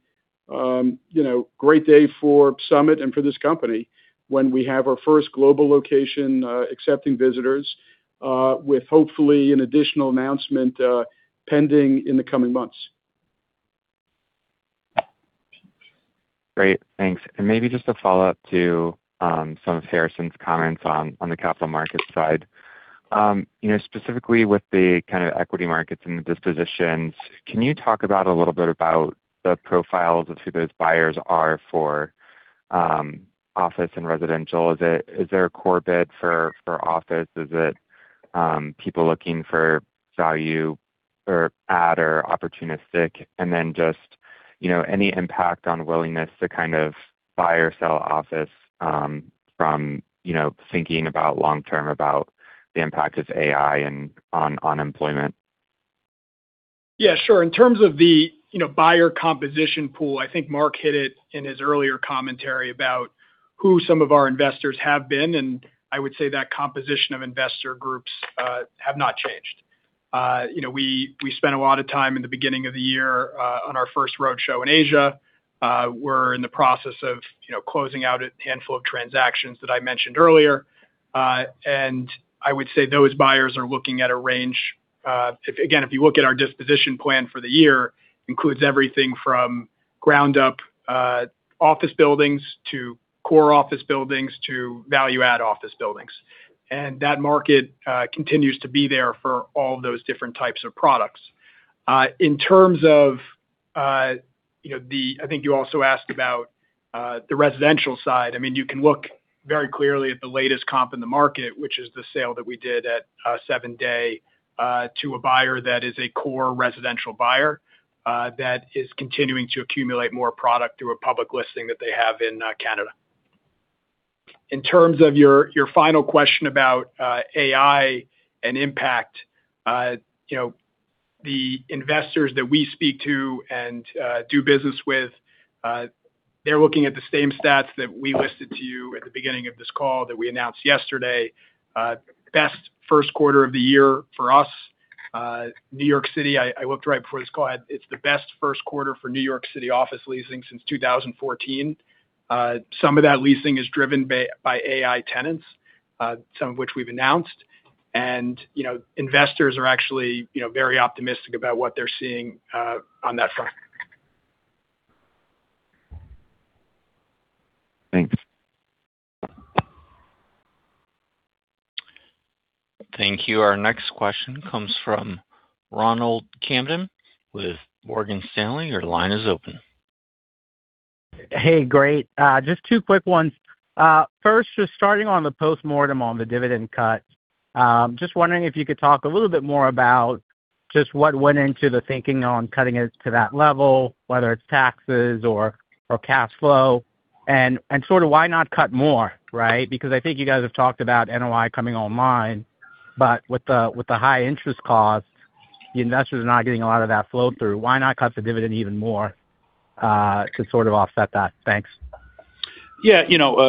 great day for Summit and for this company when we have our first global location accepting visitors with hopefully an additional announcement pending in the coming months. Great. Thanks. Maybe just a follow-up to some of Harrison's comments on the capital markets side. Specifically with the kind of equity markets and the dispositions, can you talk about a little bit about the profiles of who those buyers are for office and residential? Is there a core bid for office? Is it people looking for value or add or opportunistic? Just any impact on willingness to kind of buy or sell office from thinking about long-term about the impact of AI and on unemployment? Yeah, sure. In terms of the buyer composition pool, I think Marc hit it in his earlier commentary about who some of our investors have been, and I would say that composition of investor groups have not changed. We spent a lot of time in the beginning of the year on our first roadshow in Asia. We're in the process of closing out a handful of transactions that I mentioned earlier. I would say those buyers are looking at a range. Again, if you look at our disposition plan for the year, includes everything from ground up office buildings to core office buildings to value add office buildings. That market continues to be there for all those different types of products. In terms of, I think you also asked about the residential side. You can look very clearly at the latest comp in the market, which is the sale that we did at 7 Dey to a buyer that is a core residential buyer that is continuing to accumulate more product through a public listing that they have in Canada. In terms of your final question about AI and impact, The investors that we speak to and do business with, they're looking at the same stats that we listed to you at the beginning of this call that we announced yesterday. Best first quarter of the year for us. New York City, I looked right before this call, it's the best first quarter for New York City office leasing since 2014. Some of that leasing is driven by AI tenants, some of which we've announced. Investors are actually very optimistic about what they're seeing on that front. Thanks. Thank you. Our next question comes from Ronald Kamdem with Morgan Stanley. Your line is open. Hey, great. Just two quick ones. First, just starting on the postmortem on the dividend cut. Just wondering if you could talk a little bit more about just what went into the thinking on cutting it to that level, whether it's taxes or cash flow, and sort of why not cut more, right? Because I think you guys have talked about NOI coming online. With the high interest cost, the investors are not getting a lot of that flow through. Why not cut the dividend even more to sort of offset that? Thanks. Yeah.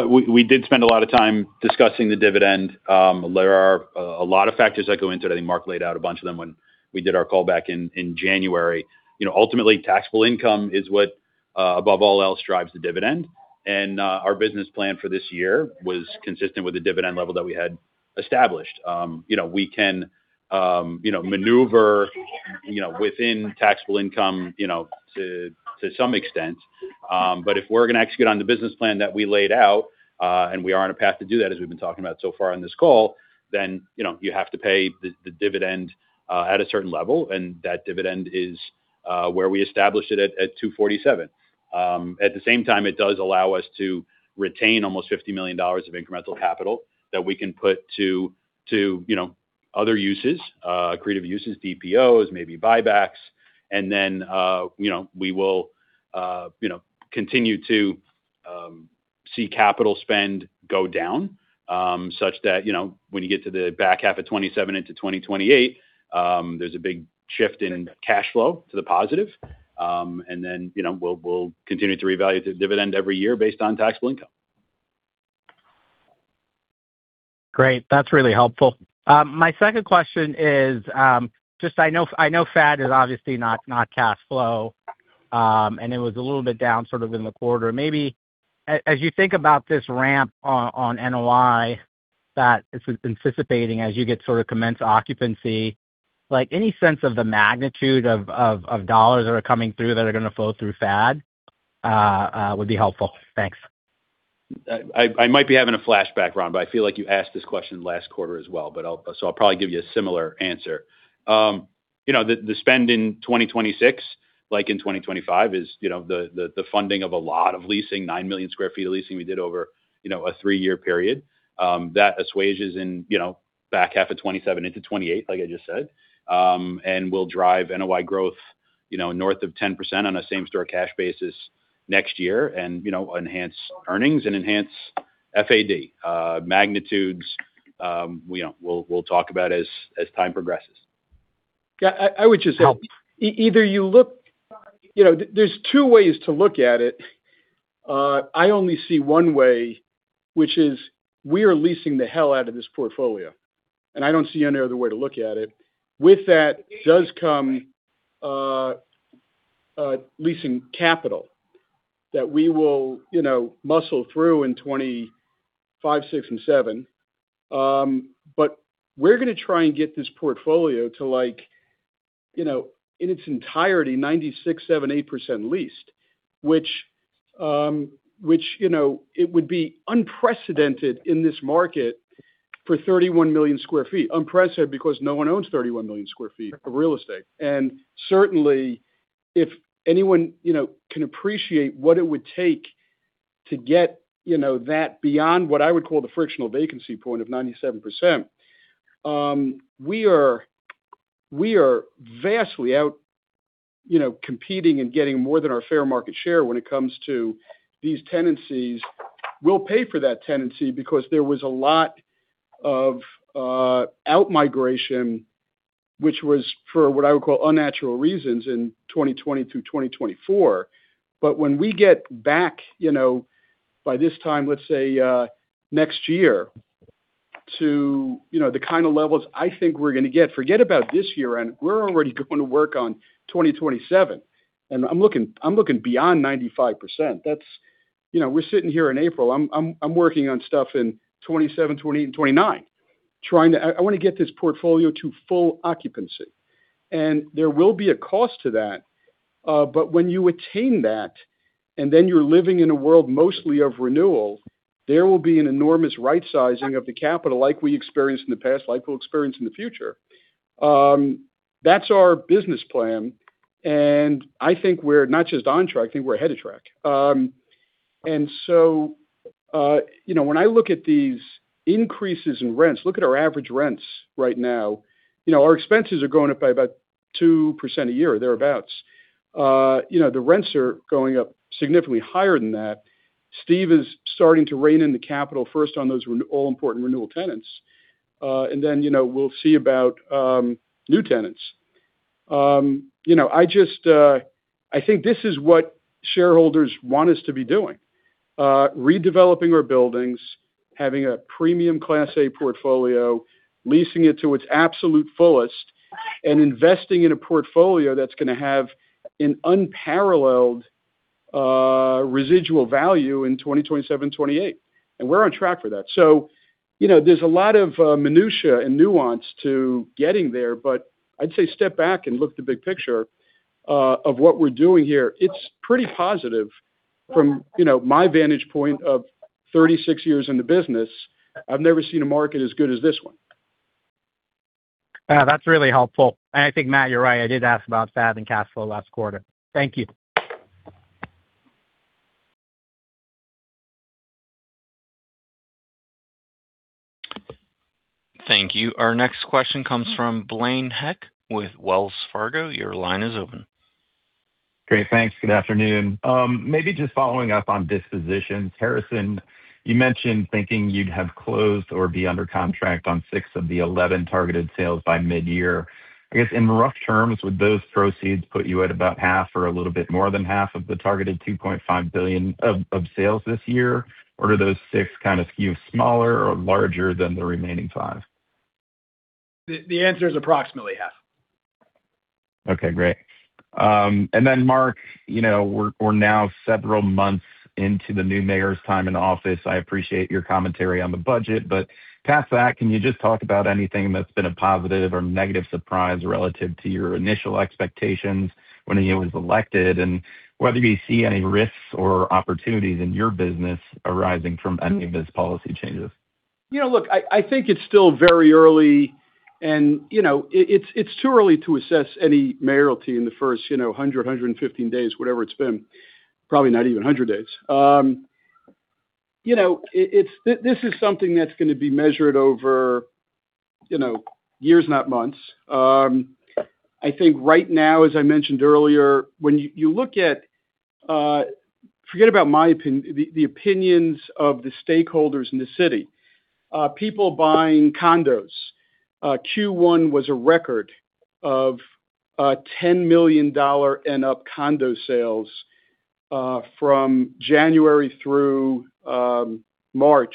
We did spend a lot of time discussing the dividend. There are a lot of factors that go into it. I think Marc laid out a bunch of them when we did our call back in January. Ultimately, taxable income is what, above all else, drives the dividend. Our business plan for this year was consistent with the dividend level that we had established. We can maneuver within taxable income to some extent. If we're going to execute on the business plan that we laid out, and we are on a path to do that as we've been talking about so far on this call, then you have to pay the dividend at a certain level, and that dividend is where we established it at 247. At the same time, it does allow us to retain almost $50 million of incremental capital that we can put to other uses, creative uses, DPOs, maybe buybacks. We will continue to see capital spend go down, such that when you get to the back half of 2027 into 2028, there's a big shift in cash flow to the positive. We'll continue to reevaluate the dividend every year based on taxable income. Great. That's really helpful. My second question is, just I know FAD is obviously not cash flow. It was a little bit down sort of in the quarter. Maybe as you think about this ramp on NOI that is anticipating as you get sort of commence occupancy, like any sense of the magnitude of dollars that are coming through that are going to flow through FAD would be helpful. Thanks. I might be having a flashback, Ronald, but I feel like you asked this question last quarter as well, so I'll probably give you a similar answer. The spend in 2026, like in 2025, is the funding of a lot of leasing, 9 million sq ft of leasing we did over a three-year period. That phases in back half of 2027 into 2028, like I just said. Will drive NOI growth north of 10% on a same-store cash basis next year and enhance earnings and enhance FAD. Magnitudes, we'll talk about as time progresses. Yeah. I would just say, there's two ways to look at it. I only see one way, which is we are leasing the hell out of this portfolio, and I don't see any other way to look at it. With that does come leasing capital that we will muscle through in 2025, 2026, and 2027. We're going to try and get this portfolio to in its entirety, 96.7%-96.8% leased. Which it would be unprecedented in this market for 31 million sq ft. Unprecedented because no one owns 31 million sq ft of real estate. Certainly, if anyone can appreciate what it would take to get that beyond what I would call the frictional vacancy point of 97%. We are vastly out competing and getting more than our fair market share when it comes to these tenancies. We'll pay for that tenancy because there was a lot of outmigration, which was for what I would call unnatural reasons, in 2020 through 2024. When we get back by this time, let's say, next year to the kind of levels I think we're going to get. Forget about this year, and we're already going to work on 2027, I'm looking beyond 95%. We're sitting here in April. I'm working on stuff in 2027, 2028, and 2029. I want to get this portfolio to full occupancy. There will be a cost to that. When you attain that, and then you're living in a world mostly of renewal, there will be an enormous right sizing of the capital like we experienced in the past, like we'll experience in the future. That's our business plan, and I think we're not just on track, I think we're ahead of track. When I look at these increases in rents, look at our average rents right now. Our expenses are going up by about 2% a year, thereabouts. The rents are going up significantly higher than that. Steve is starting to rein in the capital first on those all-important renewal tenants, and then we'll see about new tenants. I think this is what shareholders want us to be doing, redeveloping our buildings, having a premium Class A portfolio, leasing it to its absolute fullest, and investing in a portfolio that's going to have an unparalleled residual value in 2027, 2028. We're on track for that. There's a lot of minutiae and nuance to getting there, but I'd say step back and look at the big picture of what we're doing here. It's pretty positive from my vantage point of 36 years in the business. I've never seen a market as good as this one. That's really helpful. I think, Matt, you're right. I did ask about FAD and cash flow last quarter. Thank you. Thank you. Our next question comes from Blaine Heck with Wells Fargo. Your line is open. Great. Thanks. Good afternoon. Maybe just following up on disposition. Harrison, you mentioned thinking you'd have closed or be under contract on six of the 11 targeted sales by midyear. I guess in rough terms, would those proceeds put you at about half or a little bit more than half of the targeted $2.5 billion of sales this year? Or do those six kind of skew smaller or larger than the remaining five? The answer is approximately half. Okay, great. Marc, we're now several months into the new mayor's time in office. I appreciate your commentary on the budget, but past that, can you just talk about anything that's been a positive or negative surprise relative to your initial expectations when he was elected, and whether you see any risks or opportunities in your business arising from any of his policy changes? Look, I think it's still very early, and it's too early to assess any mayoralty in the first 100, 115 days, whatever it's been, probably not even 100 days. This is something that's going to be measured over years, not months. I think right now, as I mentioned earlier, when you look at, forget about the opinions of the stakeholders in the city. People buying condos. Q1 was a record of $10 million and up condo sales from January through March.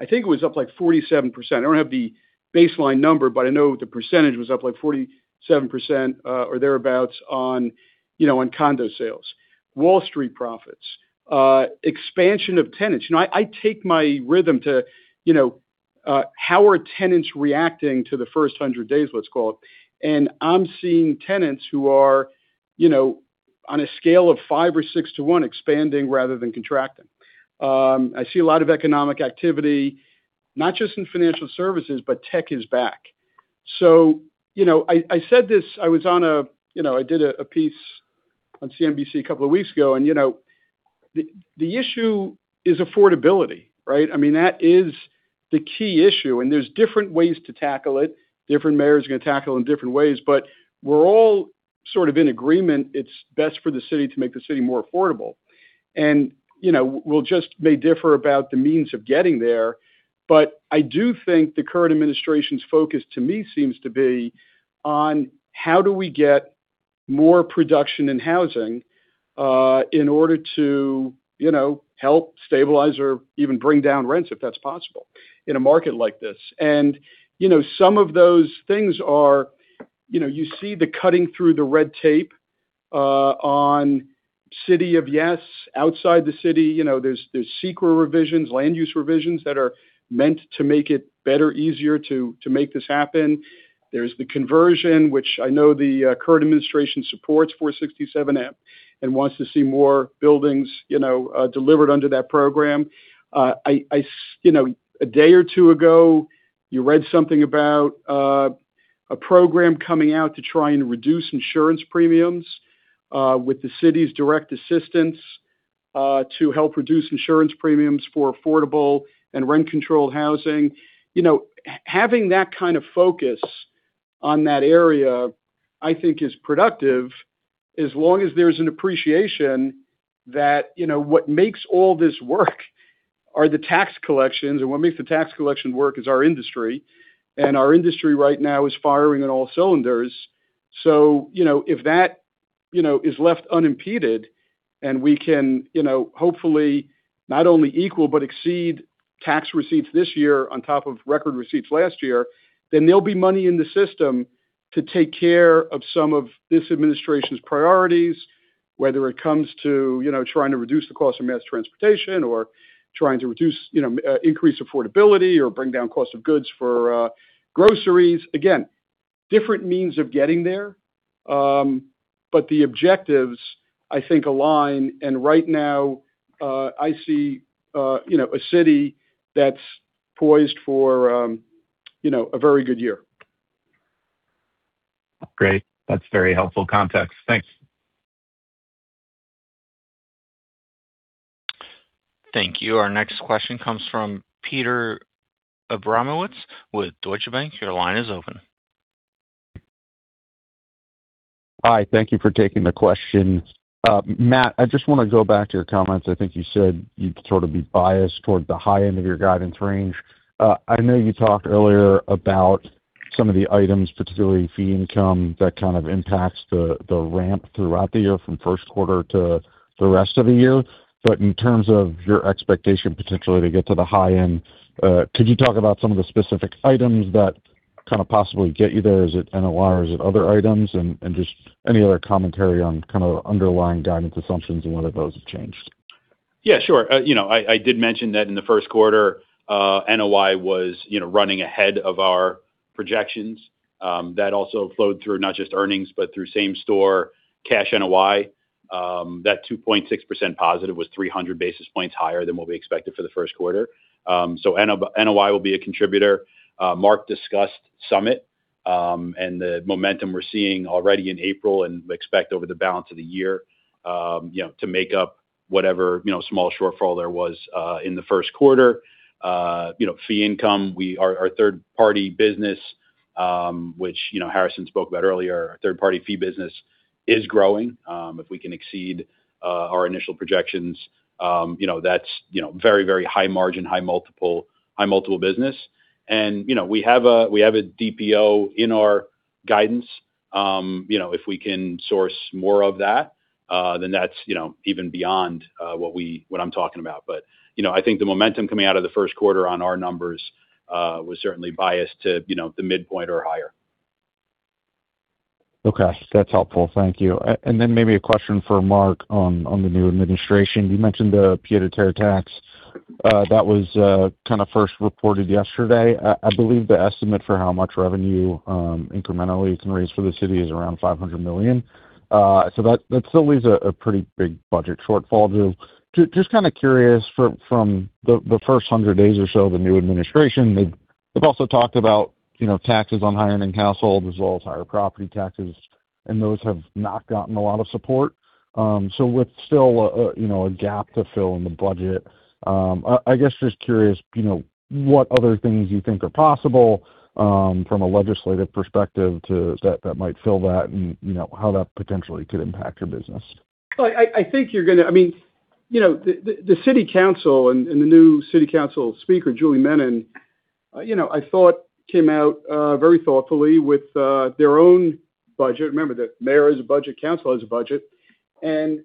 I think it was up like 47%. I don't have the baseline number, but I know the percentage was up like 47% or thereabouts on condo sales. Wall Street profits. Expansion of tenants. I take my read on how tenants are reacting to the first 100 days, let's call it, and I'm seeing tenants who are, on a scale of five or six to one, expanding rather than contracting. I see a lot of economic activity, not just in financial services, but tech is back. I said this, I did a piece on CNBC a couple of weeks ago, and the issue is affordability, right? That is the key issue, and there's different ways to tackle it. Different mayors are going to tackle it in different ways. We're all sort of in agreement, it's best for the city to make the city more affordable. We may just differ about the means of getting there. I do think the current administration's focus to me seems to be on how do we get more production in housing in order to help stabilize or even bring down rents, if that's possible, in a market like this. Some of those things are, you see, the cutting through the red tape on City of Yes. Outside the city, there's SEQRA revisions, land use revisions that are meant to make it better, easier to make this happen. There's the conversion, which I know the current administration supports 467-m and wants to see more buildings delivered under that program. A day or two ago, you read something about a program coming out to try and reduce insurance premiums with the city's direct assistance to help reduce insurance premiums for affordable and rent-controlled housing. Having that kind of focus on that area, I think, is productive as long as there's an appreciation that what makes all this work are the tax collections, and what makes the tax collection work is our industry. Our industry right now is firing on all cylinders. If that is left unimpeded and we can hopefully not only equal but exceed tax receipts this year on top of record receipts last year, then there'll be money in the system to take care of some of this administration's priorities, whether it comes to trying to reduce the cost of mass transportation or trying to increase affordability or bring down cost of goods for groceries. Again, different means of getting there, but the objectives, I think, align, and right now I see a city that's poised for a very good year. Great. That's very helpful context. Thanks. Thank you. Our next question comes from Peter Abramowitz with Deutsche Bank. Your line is open. Hi. Thank you for taking the question. Matt, I just want to go back to your comments. I think you said you'd sort of be biased toward the high end of your guidance range. I know you talked earlier about some of the items, particularly fee income, that kind of impacts the ramp throughout the year from first quarter to the rest of the year. In terms of your expectation, potentially to get to the high end, could you talk about some of the specific items that kind of possibly get you there? Is it NOI or is it other items? Just any other commentary on kind of underlying guidance assumptions and whether those have changed. Yeah, sure. I did mention that in the first quarter, NOI was running ahead of our projections. That also flowed through not just earnings, but through same store cash NOI. That 2.6% positive was 300 basis points higher than what we expected for the first quarter. NOI will be a contributor. Marc discussed Summit, and the momentum we're seeing already in April and expect over the balance of the year, to make up whatever small shortfall there was in the first quarter. Fee income. Our third-party business, which Harrison spoke about earlier, our third-party fee business is growing. If we can exceed our initial projections, that's very high margin, high multiple business. We have a DPO in our guidance. If we can source more of that, then that's even beyond what I'm talking about. I think the momentum coming out of the first quarter on our numbers was certainly biased to the midpoint or higher. Okay. That's helpful. Thank you. Maybe a question for Marc on the new administration. You mentioned the pied-à-terre tax. That was kind of first reported yesterday. I believe the estimate for how much revenue incrementally it can raise for the city is around $500 million. That still leaves a pretty big budget shortfall. Just kind of curious from the first 100 days or so of the new administration, they've also talked about taxes on high-end households as well as higher property taxes, and those have not gotten a lot of support. With still a gap to fill in the budget, I guess just curious, what other things you think are possible from a legislative perspective that might fill that and how that potentially could impact your business? I think the city council and the new city council speaker, Julie Menin, I thought came out very thoughtfully with their own budget. Remember, the mayor has a budget, council has a budget. Their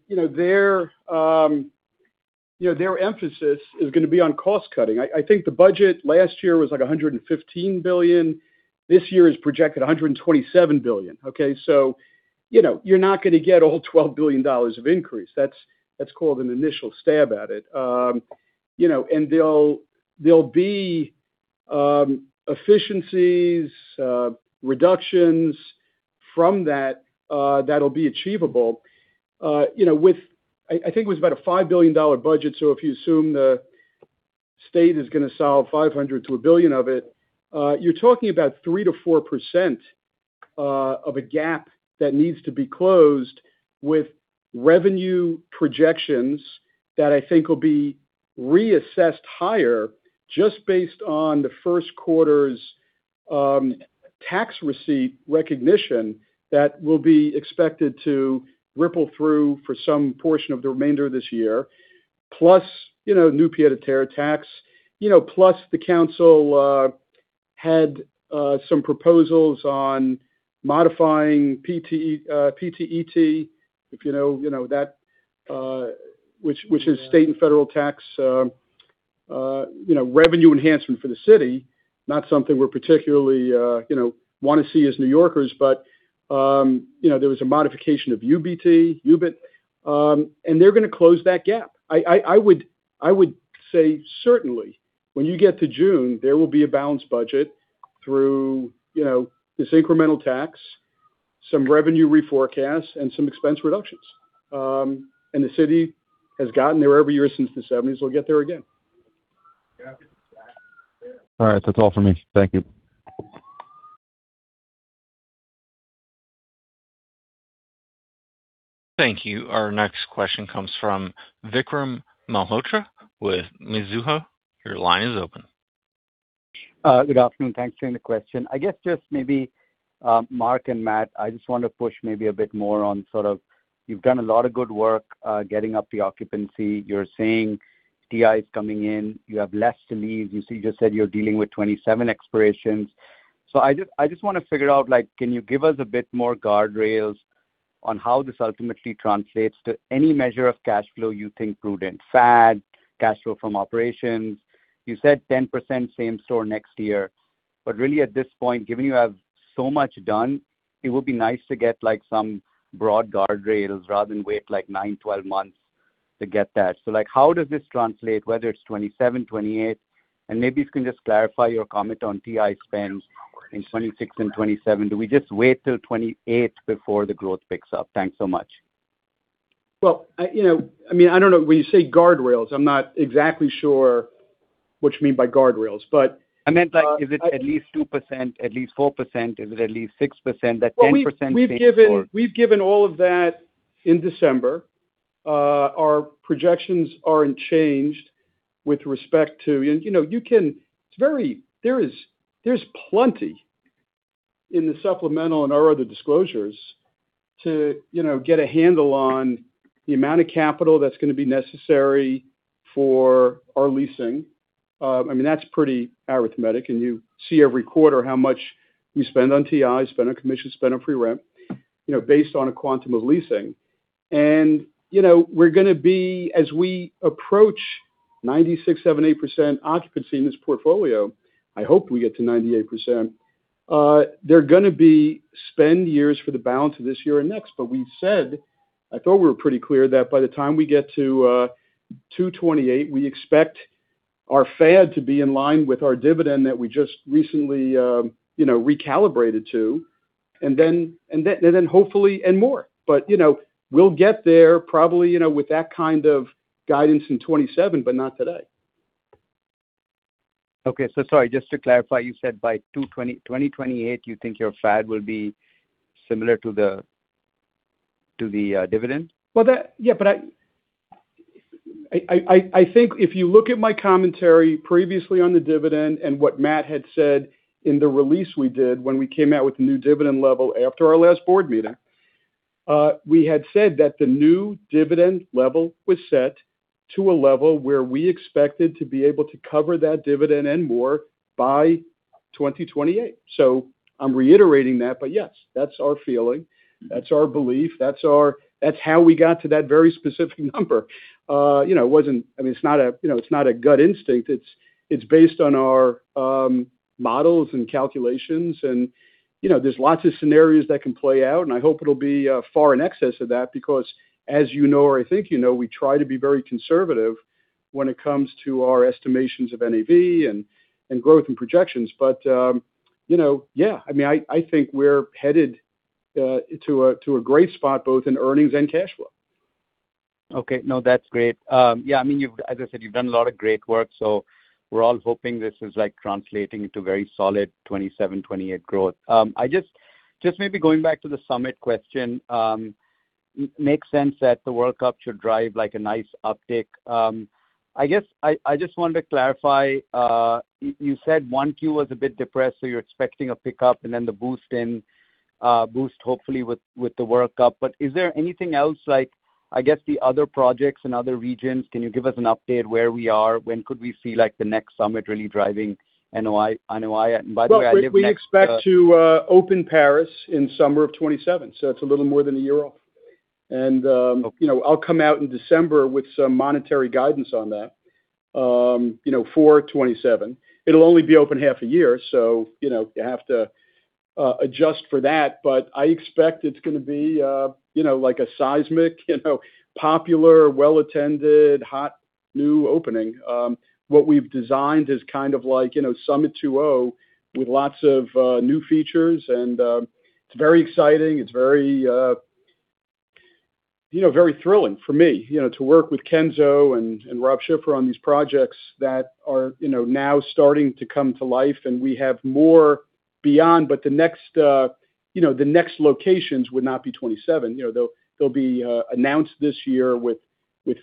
emphasis is going to be on cost cutting. I think the budget last year was, like, $115 billion. This year is projected $127 billion. Okay? You're not going to get all $12 billion of increase. That's called an initial stab at it. There'll be efficiencies, reductions from that'll be achievable. I think it was about a $5 billion budget, so if you assume the state is going to solve $500 million-$1 billion of it, you're talking about 3%-4% of a gap that needs to be closed with revenue projections that I think will be reassessed higher just based on the first quarter's tax receipt recognition that will be expected to ripple through for some portion of the remainder of this year. Plus new pied-à-terre tax. Plus the council had some proposals on modifying PTET, which is state and federal tax revenue enhancement for the city, not something we particularly want to see as New Yorkers, but there was a modification of UBT, UBIT, and they're going to close that gap. I would say certainly when you get to June, there will be a balanced budget through this incremental tax, some revenue reforecasts, and some expense reductions. The city has gotten there every year since the 1970s. They'll get there again. All right. That's all for me. Thank you. Thank you. Our next question comes from Vikram Malhotra with Mizuho. Your line is open. Good afternoon. Thanks for taking the question. I guess just maybe, Marc and Matt, I just want to push maybe a bit more on sort of, you've done a lot of good work getting the occupancy up. You're seeing TIs coming in. You have less to lease. You just said you're dealing with 27 expirations. I just want to figure out, can you give us a bit more guardrails on how this ultimately translates to any measure of cash flow you think prudent? FAD, cash flow from operations. You said 10% same store next year. But really at this point, given you have so much done, it would be nice to get some broad guardrails rather than wait nine, 12 months to get that. How does this translate, whether it's 2027, 2028, and maybe if you can just clarify your comment on TI spends in 2026 and 2027. Do we just wait till 2028 before the growth picks up? Thanks so much. Well, I don't know. When you say guardrails, I'm not exactly sure what you mean by guardrails. I meant like, is it at least 2%, at least 4%? Is it at least 6%? That 10% seems low. Well, we've given all of that in December. Our projections aren't changed with respect to. There's plenty in the supplemental and our other disclosures to get a handle on the amount of capital that's going to be necessary for our leasing. That's pretty arithmetic, and you see every quarter how much we spend on TIs, spend on commission, spend on free rent based on a quantum of leasing. We're going to be, as we approach 96.7%-98% occupancy in this portfolio, I hope we get to 98%, there are going to be spend years for the balance of this year and next. We've said, I thought we were pretty clear, that by the time we get to 2028, we expect our FAD to be in line with our dividend that we just recently recalibrated to, and then hopefully and more. We'll get there probably with that kind of guidance in 2027, but not today. Okay. Sorry, just to clarify, you said by 2028, you think your FAD will be similar to the dividend? Well, yeah. I think if you look at my commentary previously on the dividend and what Matt had said in the release we did when we came out with the new dividend level after our last board meeting, we had said that the new dividend level was set to a level where we expected to be able to cover that dividend and more by 2028. I'm reiterating that, but yes, that's our feeling, that's our belief, that's how we got to that very specific number. It's not a gut instinct. It's based on our models and calculations, and there's lots of scenarios that can play out, and I hope it'll be far in excess of that, because as you know, or I think you know, we try to be very conservative when it comes to our estimations of NAV and growth and projections. Yeah. I think we're headed to a great spot, both in earnings and cash flow. Okay. No, that's great. Yeah, as I said, you've done a lot of great work, so we're all hoping this is translating into very solid 2027, 2028 growth. Just maybe going back to the Summit question. Makes sense that the World Cup should drive a nice uptick. I guess I just wanted to clarify, you said 1Q was a bit depressed, so you're expecting a pickup and then the boost hopefully with the World Cup. Is there anything else, I guess, the other projects in other regions, can you give us an update where we are? When could we see the next Summit really driving NOI? By the way, I live next— Well, we expect to open Paris in summer of 2027, so it's a little more than a year off. Okay. I'll come out in December with some monetary guidance on that for 2027. It'll only be open half a year, so you have to adjust for that. I expect it's going to be like a seismic, popular, well-attended, hot, new opening. What we've designed is kind of like Summit 2.0 with lots of new features, and it's very exciting. It's very thrilling for me to work with Kenzo and Rob Schiffer on these projects that are now starting to come to life, and we have more beyond. The next locations would not be 2027. They'll be announced this year with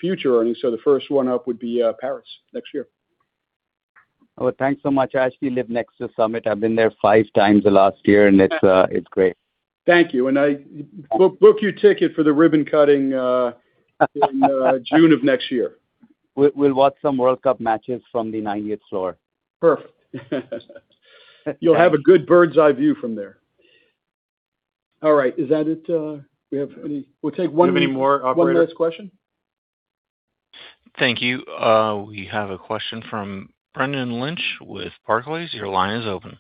future earnings. The first one up would be Paris next year. Oh, thanks so much. I actually live next to Summit. I've been there five times the last year, and it's great. Thank you. Book your ticket for the ribbon cutting in June of next year. We'll watch some World Cup matches from the 90th floor. Perfect. You'll have a good bird's eye view from there. All right. Is that it? We'll take one. Do we have any more operators? One last question. Thank you. We have a question from Brendan Lynch with Barclays. Your line is open.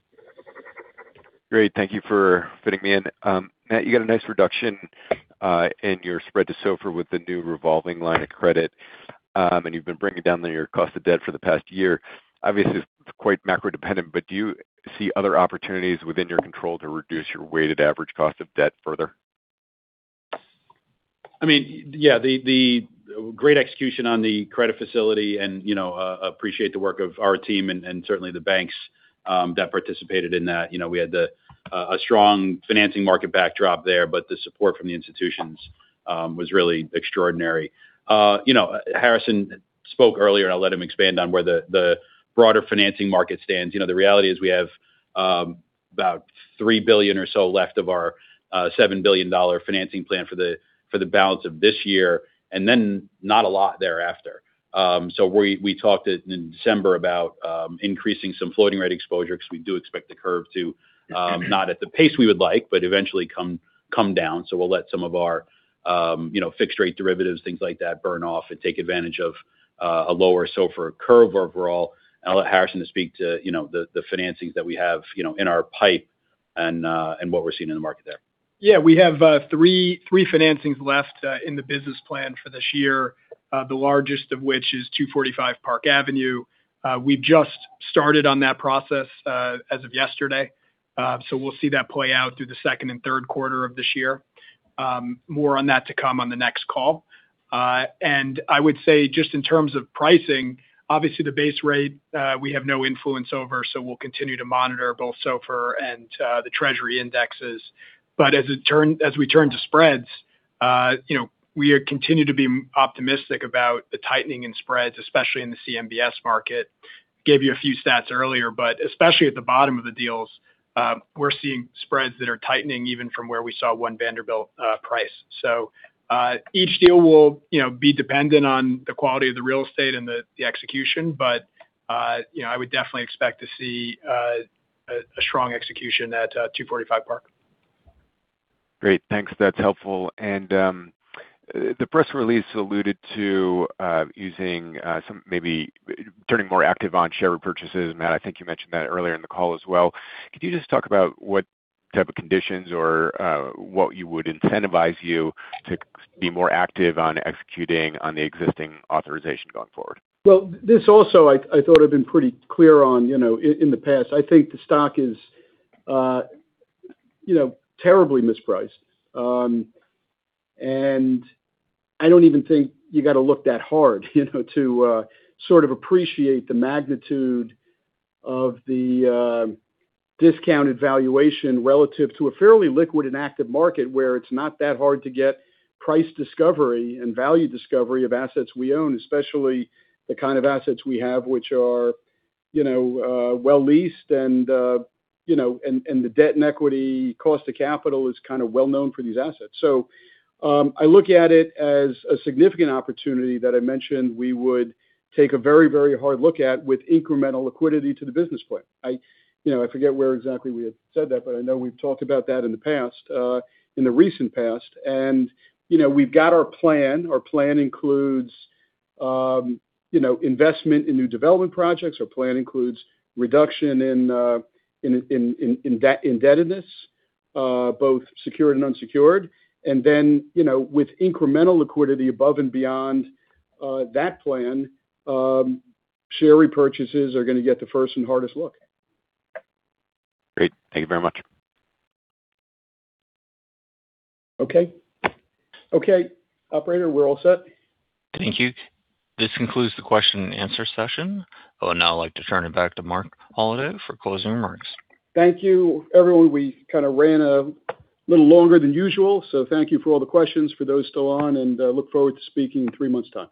Great. Thank you for fitting me in. Matt, you got a nice reduction in your spread to SOFR with the new revolving line of credit. You've been bringing down your cost of debt for the past year. Obviously, it's quite macro-dependent, but do you see other opportunities within your control to reduce your weighted average cost of debt further? Yeah. The great execution on the credit facility and appreciate the work of our team and certainly the banks that participated in that. We had a strong financing market backdrop there, but the support from the institutions was really extraordinary. Harrison spoke earlier, and I'll let him expand on where the broader financing market stands. The reality is we have about $3 billion or so left of our $7 billion financing plan for the balance of this year, and then not a lot thereafter. We talked in December about increasing some floating rate exposure because we do expect the curve to, not at the pace we would like, but eventually come down. We'll let some of our fixed rate derivatives, things like that, burn off and take advantage of a lower SOFR curve overall. I'll let Harrison speak to the financings that we have in our pipe and what we're seeing in the market there. Yeah. We have three financings left in the business plan for this year. The largest of which is 245 Park Avenue. We just started on that process as of yesterday. So we'll see that play out through the second and third quarter of this year. More on that to come on the next call. I would say, just in terms of pricing, obviously the base rate, we have no influence over, so we'll continue to monitor both SOFR and the Treasury indexes. As we turn to spreads, we continue to be optimistic about the tightening in spreads, especially in the CMBS market. Gave you a few stats earlier, but especially at the bottom of the deals, we're seeing spreads that are tightening even from where we saw One Vanderbilt price. Each deal will be dependent on the quality of the real estate and the execution. I would definitely expect to see a strong execution at 245 Park. Great. Thanks. That's helpful. The press release alluded to maybe turning more active on share repurchases, and Matt, I think you mentioned that earlier in the call as well. Could you just talk about what type of conditions or what would incentivize you to be more active on executing on the existing authorization going forward? Well, this also, I thought I've been pretty clear on in the past. I think the stock is terribly mispriced. I don't even think you got to look that hard to sort of appreciate the magnitude of the discounted valuation relative to a fairly liquid and active market, where it's not that hard to get price discovery and value discovery of assets we own, especially the kind of assets we have, which are well leased and the debt and equity cost of capital is kind of well-known for these assets. I look at it as a significant opportunity that I mentioned we would take a very hard look at with incremental liquidity to the business plan. I forget where exactly we had said that, but I know we've talked about that in the past, in the recent past. We've got our plan. Our plan includes investment in new development projects. Our plan includes reduction in indebtedness, both secured and unsecured. With incremental liquidity above and beyond that plan, share repurchases are going to get the first and hardest look. Great. Thank you very much. Okay. Okay, operator, we're all set. Thank you. This concludes the question-and-answer session. I would now like to turn it back to Marc Holliday for closing remarks. Thank you, everyone. We kind of ran a little longer than usual, so thank you for all the questions for those still on, and look forward to speaking in three months' time.